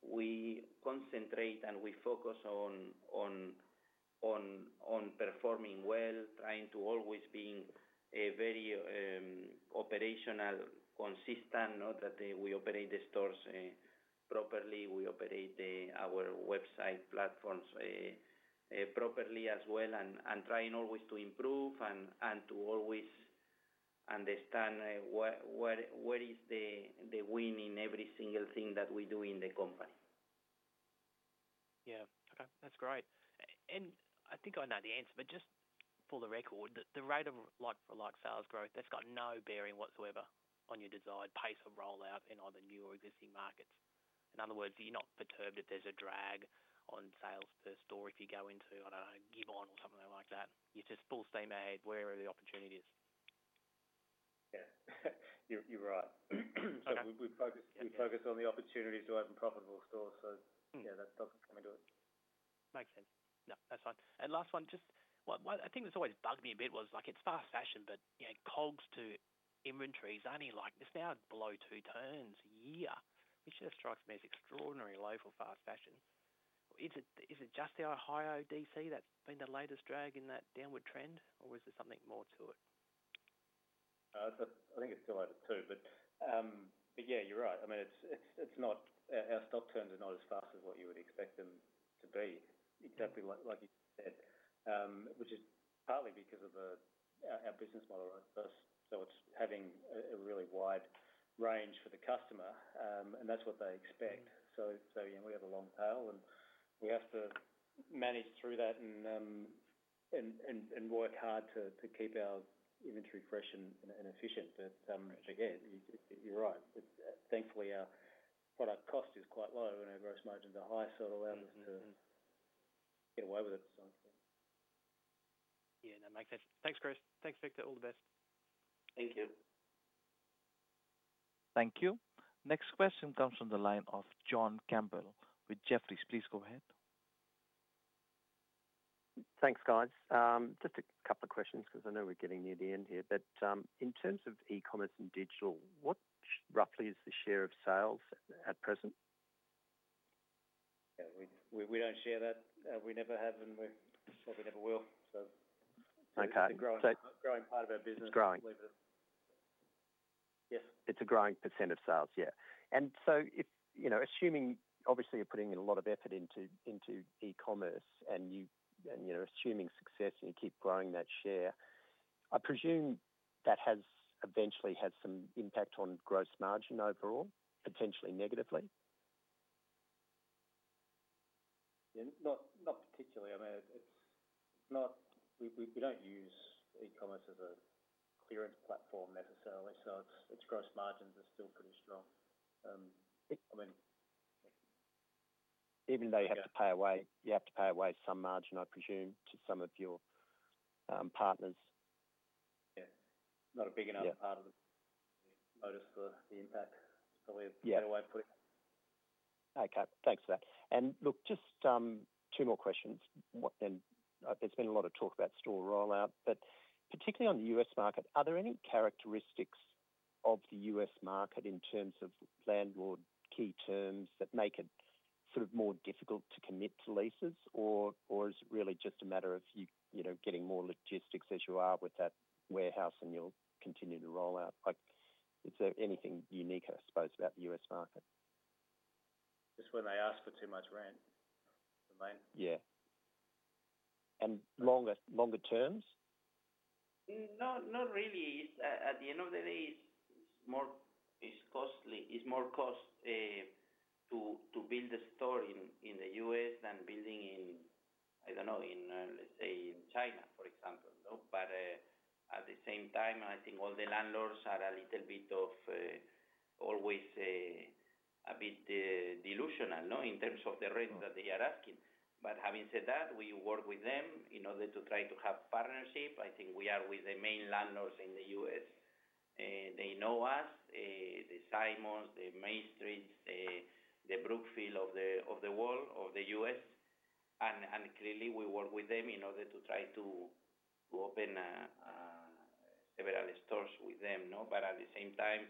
we concentrate and we focus on performing well, trying to always being very operational, consistent, not that we operate the stores properly. We operate our website platforms properly as well, and trying always to improve and to always understand where is the win in every single thing that we do in the company. Yeah. Okay, that's great. And I think I know the answer, but just for the record, the rate of like-for-like sales growth, that's got no bearing whatsoever on your desired pace of rollout in either new or existing markets. In other words, you're not perturbed if there's a drag on sales per store if you go into, I don't know, Gabon or something like that. You're just full steam ahead, wherever the opportunity is. Yeah. You're right. Okay. We focus on the opportunities to open profitable stores. So yeah, that doesn't come into it. Makes sense. No, that's fine. And last one, just what I think that's always bugged me a bit was like, it's fast fashion, but, you know, COGS to inventories only, like, it's now below two turns a year, which just strikes me as extraordinarily low for fast fashion. Is it just the Ohio DC that's been the latest drag in that downward trend, or is there something more to it? I think it's still out at two. But yeah, you're right. I mean, it's not- Our stock turns are not as fast as what you would expect them to be. Exactly like you said, which is partly because of our business model, right? So it's having a really wide range for the customer, and that's what they expect. So yeah, we have a long tail, and we have to manage through that and work hard to keep our inventory fresh and efficient. But again, you're right. Thankfully, our product cost is quite low and our gross margins are high, so it allows us to get away with it. Yeah, that makes sense. Thanks, Chris. Thanks, Victor. All the best. Thank you. Thank you. Next question comes from the line of John Campbell with Jefferies. Please go ahead. Thanks, guys. Just a couple of questions because I know we're getting near the end here. But, in terms of e-commerce and digital, what roughly is the share of sales at present? Yeah, we don't share that. We never have, and we probably never will. So. Okay. It's a growing, growing part of our business. It's growing. Yes. It's a growing % of sales, yeah, and so if you know, assuming obviously you're putting a lot of effort into e-commerce, and you know, assuming success and you keep growing that share, I presume that has eventually had some impact on gross margin overall, potentially negatively? Yeah. Not particularly. I mean, it's not. We don't use e-commerce as a clearance platform necessarily, so its gross margins are still pretty strong. I mean. Even though you have to pay away some margin, I presume, to some of your partners. Yeah. Not a big enough part of the... Notice the impact that we have got away with. Okay, thanks for that. And look, just two more questions. There's been a lot of talk about store rollout, but particularly on the U.S. market, are there any characteristics of the U.S. market in terms of landlord key terms, that make it sort of more difficult to commit to leases? Or is it really just a matter of you, you know, getting more logistics as you are with that warehouse and you'll continue to roll out? Like, is there anything unique, I suppose, about the U.S. market? Just when they ask for too much rent, the landlord. Yeah, and longer, longer terms? Not really. It's, at the end of the day, it's more costly. It's more costly to build a store in the U.S. than building in, I don't know, let's say, in China, for example, no? But at the same time, I think all the landlords are a little bit always a bit delusional, no, in terms of the rent that they are asking. But having said that, we work with them in order to try to have partnership. I think we are with the main landlords in the U.S. They know us, the Simons, the Macerich, the Brookfield of the world, of the U.S., and clearly, we work with them in order to try to open several stores with them, no? But at the same time,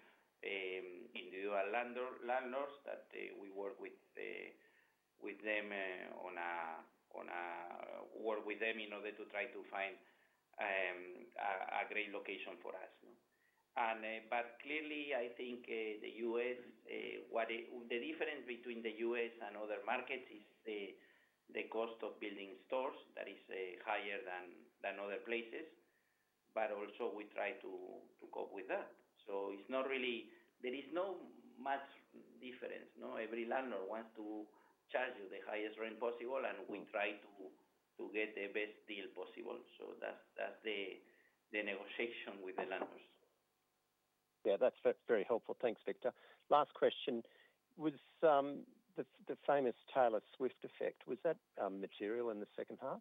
individual landlords that we work with, work with them in order to try to find a great location for us, no. But clearly, I think, the U.S., the difference between the U.S. and other markets is the cost of building stores, that is higher than other places. But also we try to cope with that. So it's not really. There is no much difference, no? Every landlord wants to charge you the highest rent possible, and we try to get the best deal possible. So that's the negotiation with the landlords. Yeah, that's very helpful. Thanks, Victor. Last question. Was the famous Taylor Swift effect material in the second half?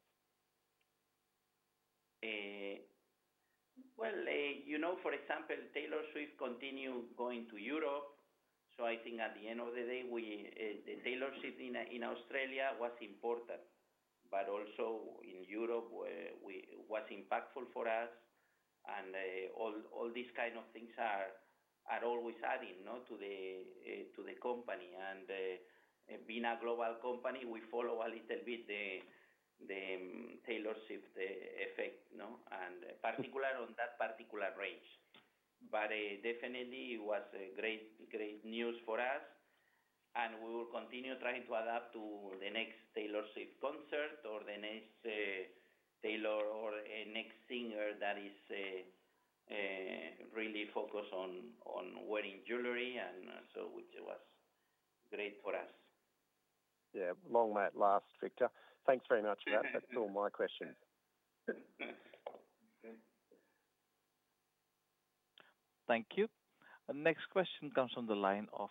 You know, for example, Taylor Swift continued going to Europe. I think at the end of the day, the Taylor Swift in Australia was important, but also in Europe we was impactful for us. All these kind of things are always adding to the company. Being a global company, we follow a little bit the Taylor Swift effect, no? Particularly on that particular range. But definitely it was a great, great news for us, and we will continue trying to adapt to the next Taylor Swift concert or the next Taylor or a next singer that is really focused on wearing jewelry, so which was great for us. Yeah. Long that last, Victor. Thanks very much for that. That's all my questions. Thank you. The next question comes from the line of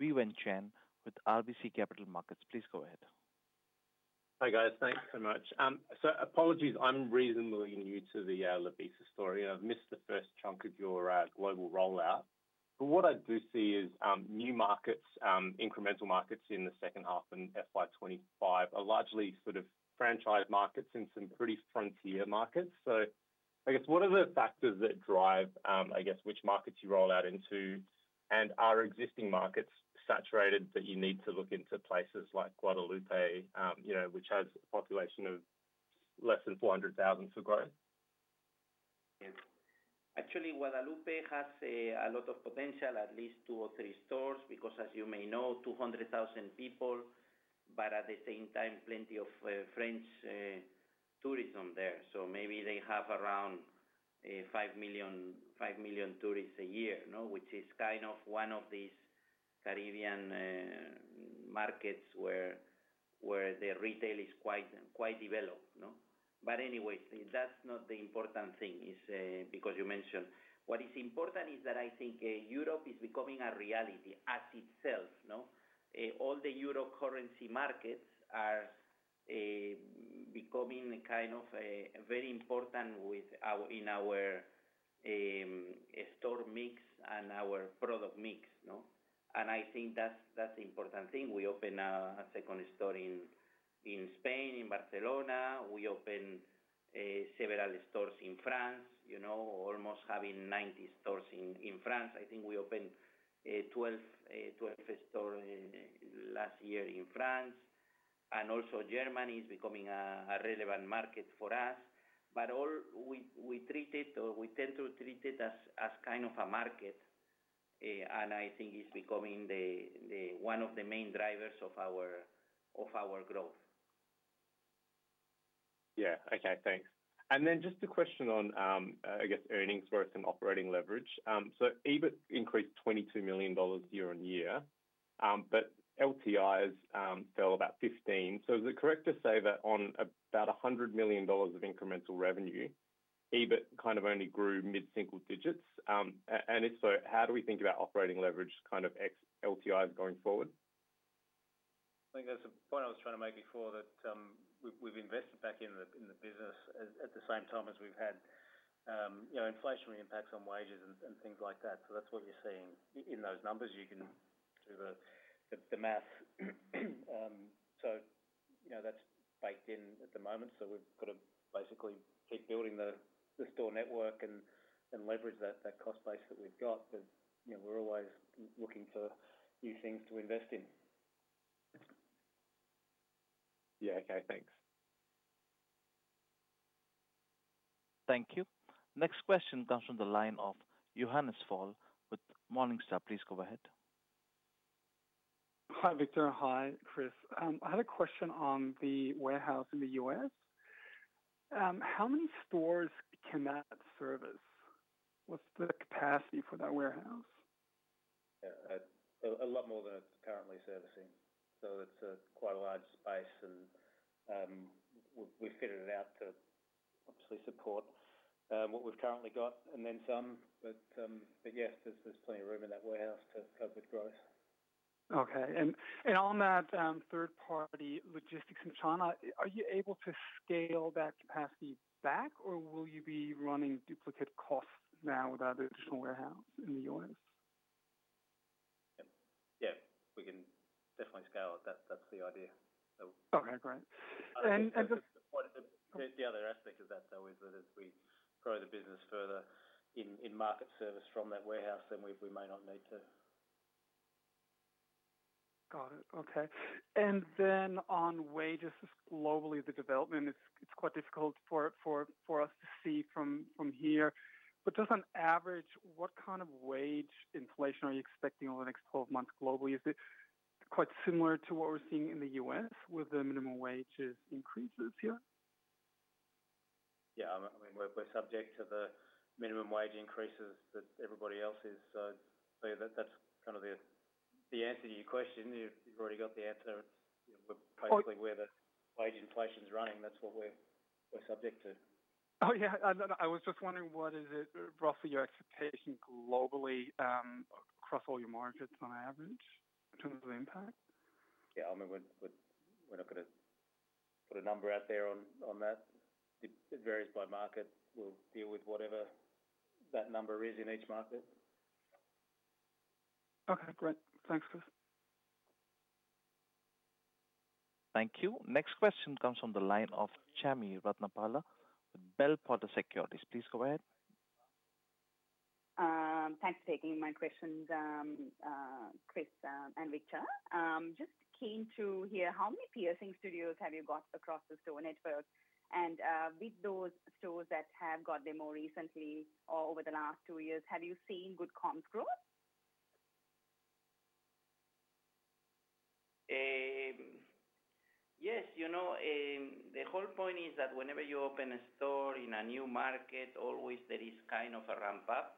Yiwen Chen with RBC Capital Markets. Please go ahead. Hi, guys. Thanks so much. So apologies, I'm reasonably new to the Lovisa story, and I've missed the first chunk of your global rollout. But what I do see is new markets, incremental markets in the second half and FY 2025, are largely sort of franchise markets in some pretty frontier markets. So I guess, what are the factors that drive, I guess, which markets you roll out into? And are existing markets saturated that you need to look into places like Guadeloupe, you know, which has a population of less than 400,000 people? Yes. Actually, Guadeloupe has a lot of potential, at least two or three stores, because as you may know, 200,000 people, but at the same time, plenty of French tourism there. So maybe they have around five million tourists a year, no? Which is kind of one of these Caribbean markets where the retail is quite developed, no? But anyways, that's not the important thing, because you mentioned. What is important is that I think Europe is becoming a reality as itself, no? All the Euro currency markets are becoming kind of a very important with our in our store mix and our product mix, no? And I think that's the important thing. We opened a second store in Spain, in Barcelona. We opened several stores in France, you know, almost having 90 stores in France. I think we opened 12 stores last year in France, and also Germany is becoming a relevant market for us. But overall we treat it or we tend to treat it as kind of a market, and I think it's becoming one of the main drivers of our growth. Yeah. Okay, thanks. And then just a question on, I guess, earnings versus operating leverage. So EBIT increased 22 million dollars year on year, but LTIs fell about 15. So is it correct to say that on about 100 million dollars of incremental revenue, EBIT kind of only grew mid-single digits? And if so, how do we think about operating leverage, kind of ex LTI going forward? I think that's the point I was trying to make before, that we've invested back in the business at the same time as we've had you know, inflationary impacts on wages and things like that. That's what you're seeing in those numbers. You can do the math. You know, that's baked in at the moment, so we've got to basically keep building the store network and leverage that cost base that we've got. But you know, we're always looking for new things to invest in. Yeah. Okay, thanks. Thank you. Next question comes from the line of Johannes Faul with Morningstar. Please go ahead. Hi, Victor. Hi, Chris. I had a question on the warehouse in the U.S. How many stores can that service? What's the capacity for that warehouse? A lot more than it's currently servicing. So it's quite a large space, and we've fitted it out to obviously support what we've currently got and then some. But yes, there's plenty of room in that warehouse to cope with growth. Okay. And on that, third-party logistics in China, are you able to scale that capacity back, or will you be running duplicate costs now without the additional warehouse in the U.S? Yeah, yeah, we can definitely scale it. That's, that's the idea. So. Okay, great. And the. The other aspect of that, though, is that as we grow the business further in market service from that warehouse, then we may not need to. Got it. Okay. And then on wages globally, the development, it's quite difficult for us to see from here. But just on average, what kind of wage inflation are you expecting over the next 12 months globally? Is it quite similar to what we're seeing in the U.S. with the minimum wages increases here? Yeah, I mean, we're subject to the minimum wage increases that everybody else is. So that's kind of the answer to your question. You've already got the answer. We're basically where the wage inflation is running, that's what we're subject to. Oh, yeah. I was just wondering, what is it roughly your expectation globally, across all your markets on average in terms of the impact? Yeah, I mean, we're not gonna put a number out there on that. It varies by market. We'll deal with whatever that number is in each market. Okay, great. Thanks, Chris. Thank you. Next question comes from the line of Chami Ratnapala, Bell Potter Securities. Please go ahead. Thanks for taking my questions, Chris, and Victor. Just keen to hear how many piercing studios have you got across the store network? And, with those stores that have got them more recently or over the last two years, have you seen good comps growth? Yes, you know, the whole point is that whenever you open a store in a new market, always there is kind of a ramp up.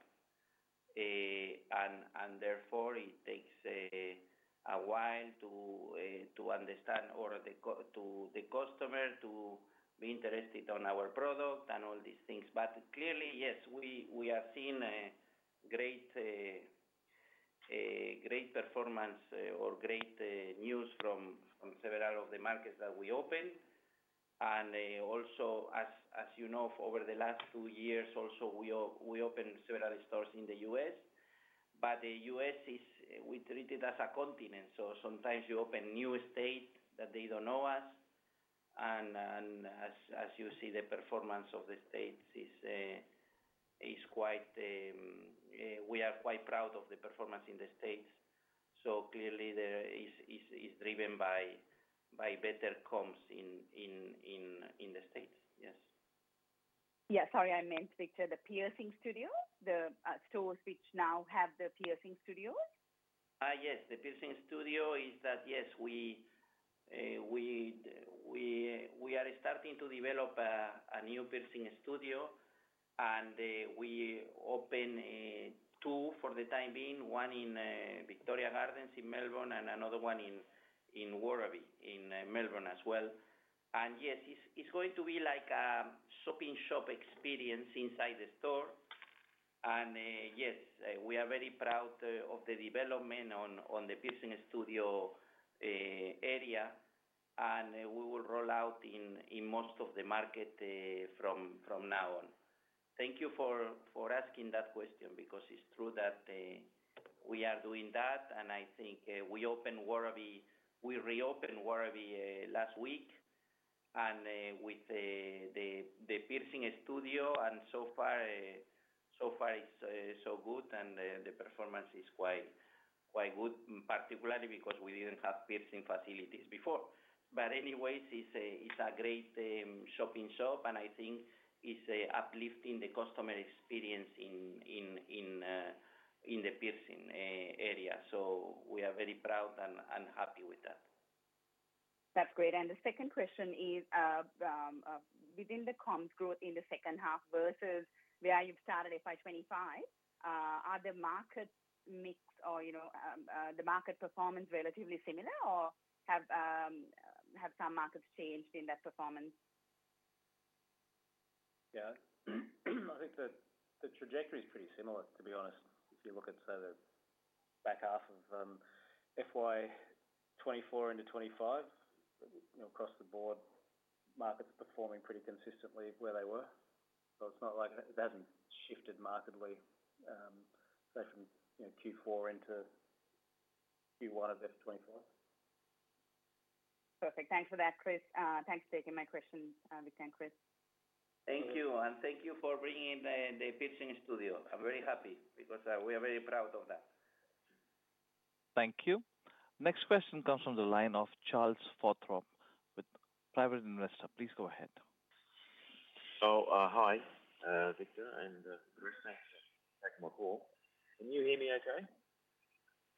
And therefore, it takes a while to understand or to the customer to be interested on our product and all these things. But clearly, yes, we have seen a great performance or great news from several of the markets that we opened. And also, as you know, over the last two years also, we opened several stores in the U.S. But the U.S is we treat it as a continent, so sometimes you open new states that they don't know us, and as you see, the performance of the states is quite, we are quite proud of the performance in the States. So clearly, there is driven by better comps in the States. Yes. Yeah, sorry, I meant, Victor, the piercing studio, the stores which now have the piercing studios? Yes, the piercing studio is that. Yes, we are starting to develop a new piercing studio, and we open two for the time being, one in Victoria Gardens in Melbourne, and another one in Werribee in Melbourne as well. And yes, it's going to be like a shop-in-shop experience inside the store. And yes, we are very proud of the development on the piercing studio area, and we will roll out in most of the market from now on. Thank you for asking that question because it's true that we are doing that, and I think we opened Werribee. We reopened Werribee last week, and with the piercing studio, and so far, so good, and the performance is quite good, particularly because we didn't have piercing facilities before. But anyways, it's a great shop-in-shop, and I think it's uplifting the customer experience in the piercing area. So we are very proud and happy with that. That's great. And the second question is, within the comp growth in the second half versus where you've started FY 2025, are the market mix or, you know, the market performance relatively similar, or have some markets changed in that performance? Yeah. I think the trajectory is pretty similar, to be honest, if you look at, say, the back half of FY 2024 into 2025, you know, across the board, markets are performing pretty consistently where they were. So it's not like... It hasn't shifted markedly, say, from, you know, Q4 into Q1 of FY 2024. Perfect. Thanks for that, Chris. Thanks for taking my questions, Victor and Chris. Thank you. And thank you for bringing in the piercing studio. I'm very happy because we are very proud of that. Thank you. Next question comes from the line of Charles Forsstrom with private investor. Please go ahead. Hi, Victor and Chris. Thanks for taking my call. Can you hear me okay?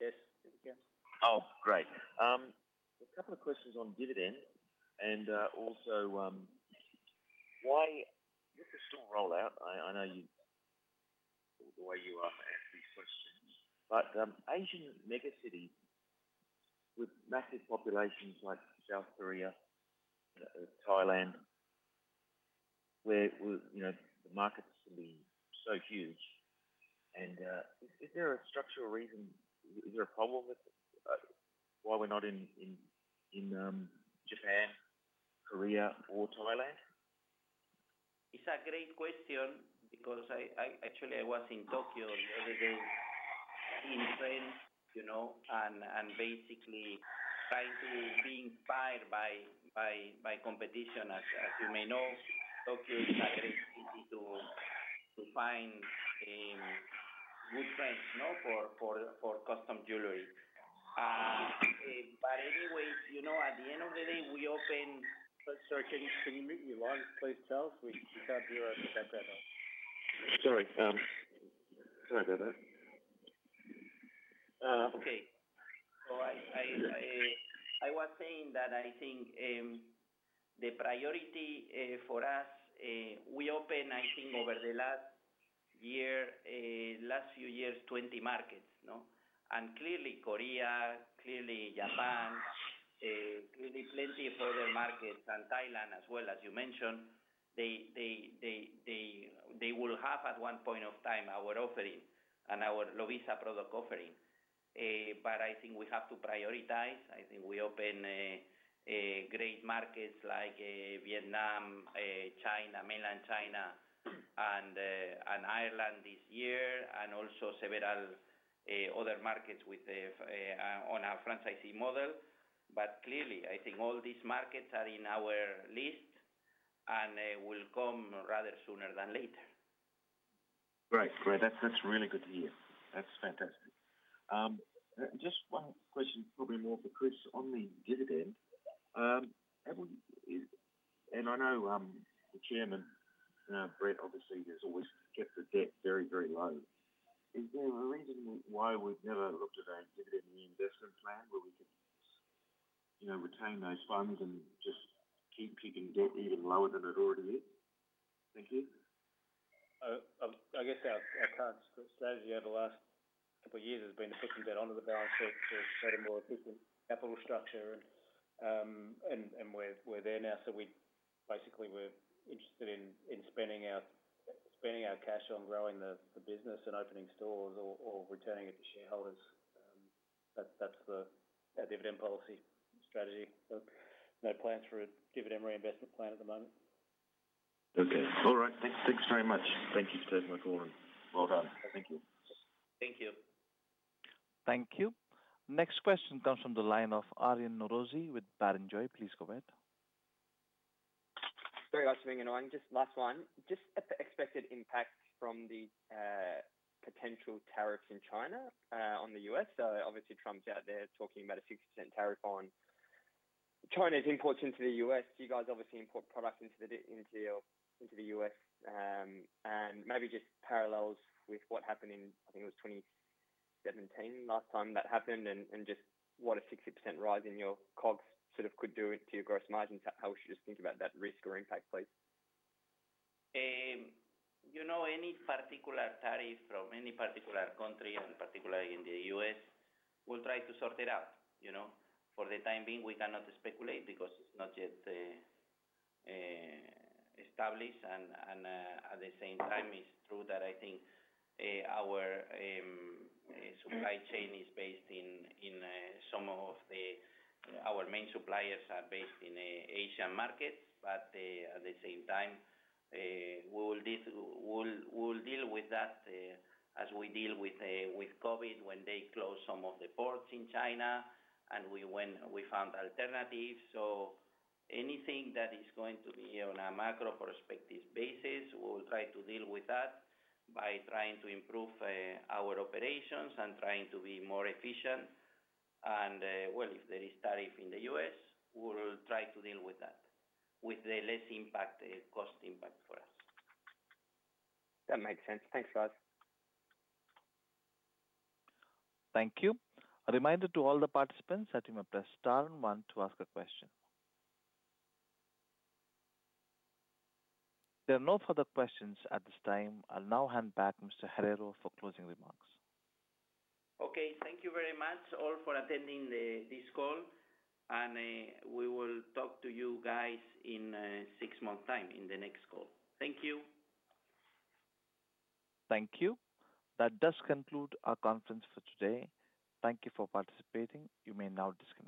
Yes, we can. Oh, great. A couple of questions on dividend, and also, why this is still rolled out. I know you the way you are, ask these questions, but, Asian megacities with massive populations like South Korea, Thailand, where you know, the markets can be so huge, and, is there a structural reason, is there a problem with, why we're not in Japan, Korea, or Thailand? It's a great question because I actually was in Tokyo the other day, seeing trends, you know, and basically trying to be inspired by competition. As you may know, Tokyo is a great city to find good trends, you know, for custom jewelry. But anyways, you know, at the end of the day, we open- Sorry, can I do that? Okay. So I was saying that I think the priority for us, we opened, I think, over the last year, last few years, 20 markets, no? And clearly Korea, clearly Japan, clearly plenty of other markets, and Thailand as well, as you mentioned, they will have, at one point of time, our offering and our Lovisa product offering. But I think we have to prioritize. I think we open great markets like Vietnam, China, Mainland China, and Ireland this year, and also several other markets with on our franchisee model. But clearly, I think all these markets are in our list, and they will come rather sooner than later. Great. Great. That's really good to hear. That's fantastic. Just one question, probably more for Chris on the dividend. And I know the chairman, Brett, obviously, has always kept the debt very, very low. Is there a reason why we've never looked at a dividend reinvestment plan where we could, you know, retain those funds and just keep kicking debt even lower than it already is? Thank you. I guess our current strategy over the last couple of years has been to putting debt onto the balance sheet to have a more efficient capital structure. We're there now, so basically we're interested in spending our cash on growing the business and opening stores or returning it to shareholders. That's our dividend policy strategy. No plans for a dividend reinvestment plan at the moment. Okay. All right. Thanks very much. Thank you for taking my call, and well done. Thank you. Thank you. Thank you. Next question comes from the line of Aryan Norozi with Barrenjoey. Please go ahead. Very much being annoying. Just last one. Just at the expected impact from the, potential tariffs in China, on the U.S. So obviously, Trump's out there talking about a 60% tariff on China's imports into the U.S. You guys obviously import products into the, into your, into the U.S. And maybe just parallels with what happened in, I think it was 2017 last time that happened, and, and just what a 60% rise in your COGS sort of could do it to your gross margins. How should you just think about that risk or impact, please? You know, any particular tariff from any particular country, and particularly in the US, we'll try to sort it out, you know. For the time being, we cannot speculate because it's not yet established, and at the same time, it's true that I think our supply chain is based in. Some of our main suppliers are based in Asian markets. But at the same time, we will deal with that as we deal with COVID, when they closed some of the ports in China, and we went and we found alternatives. So anything that is going to be on a macro perspective basis, we will try to deal with that by trying to improve our operations and trying to be more efficient. If there is tariff in the U.S., we will try to deal with that with the less impact, cost impact for us. That makes sense. Thanks, guys. Thank you. A reminder to all the participants that you may press star one to ask a question. There are no further questions at this time. I'll now hand back to Mr. Herrero for closing remarks. Okay. Thank you very much, all, for attending this call, and we will talk to you guys in six months' time in the next call. Thank you. Thank you. That does conclude our conference for today. Thank you for participating. You may now disconnect.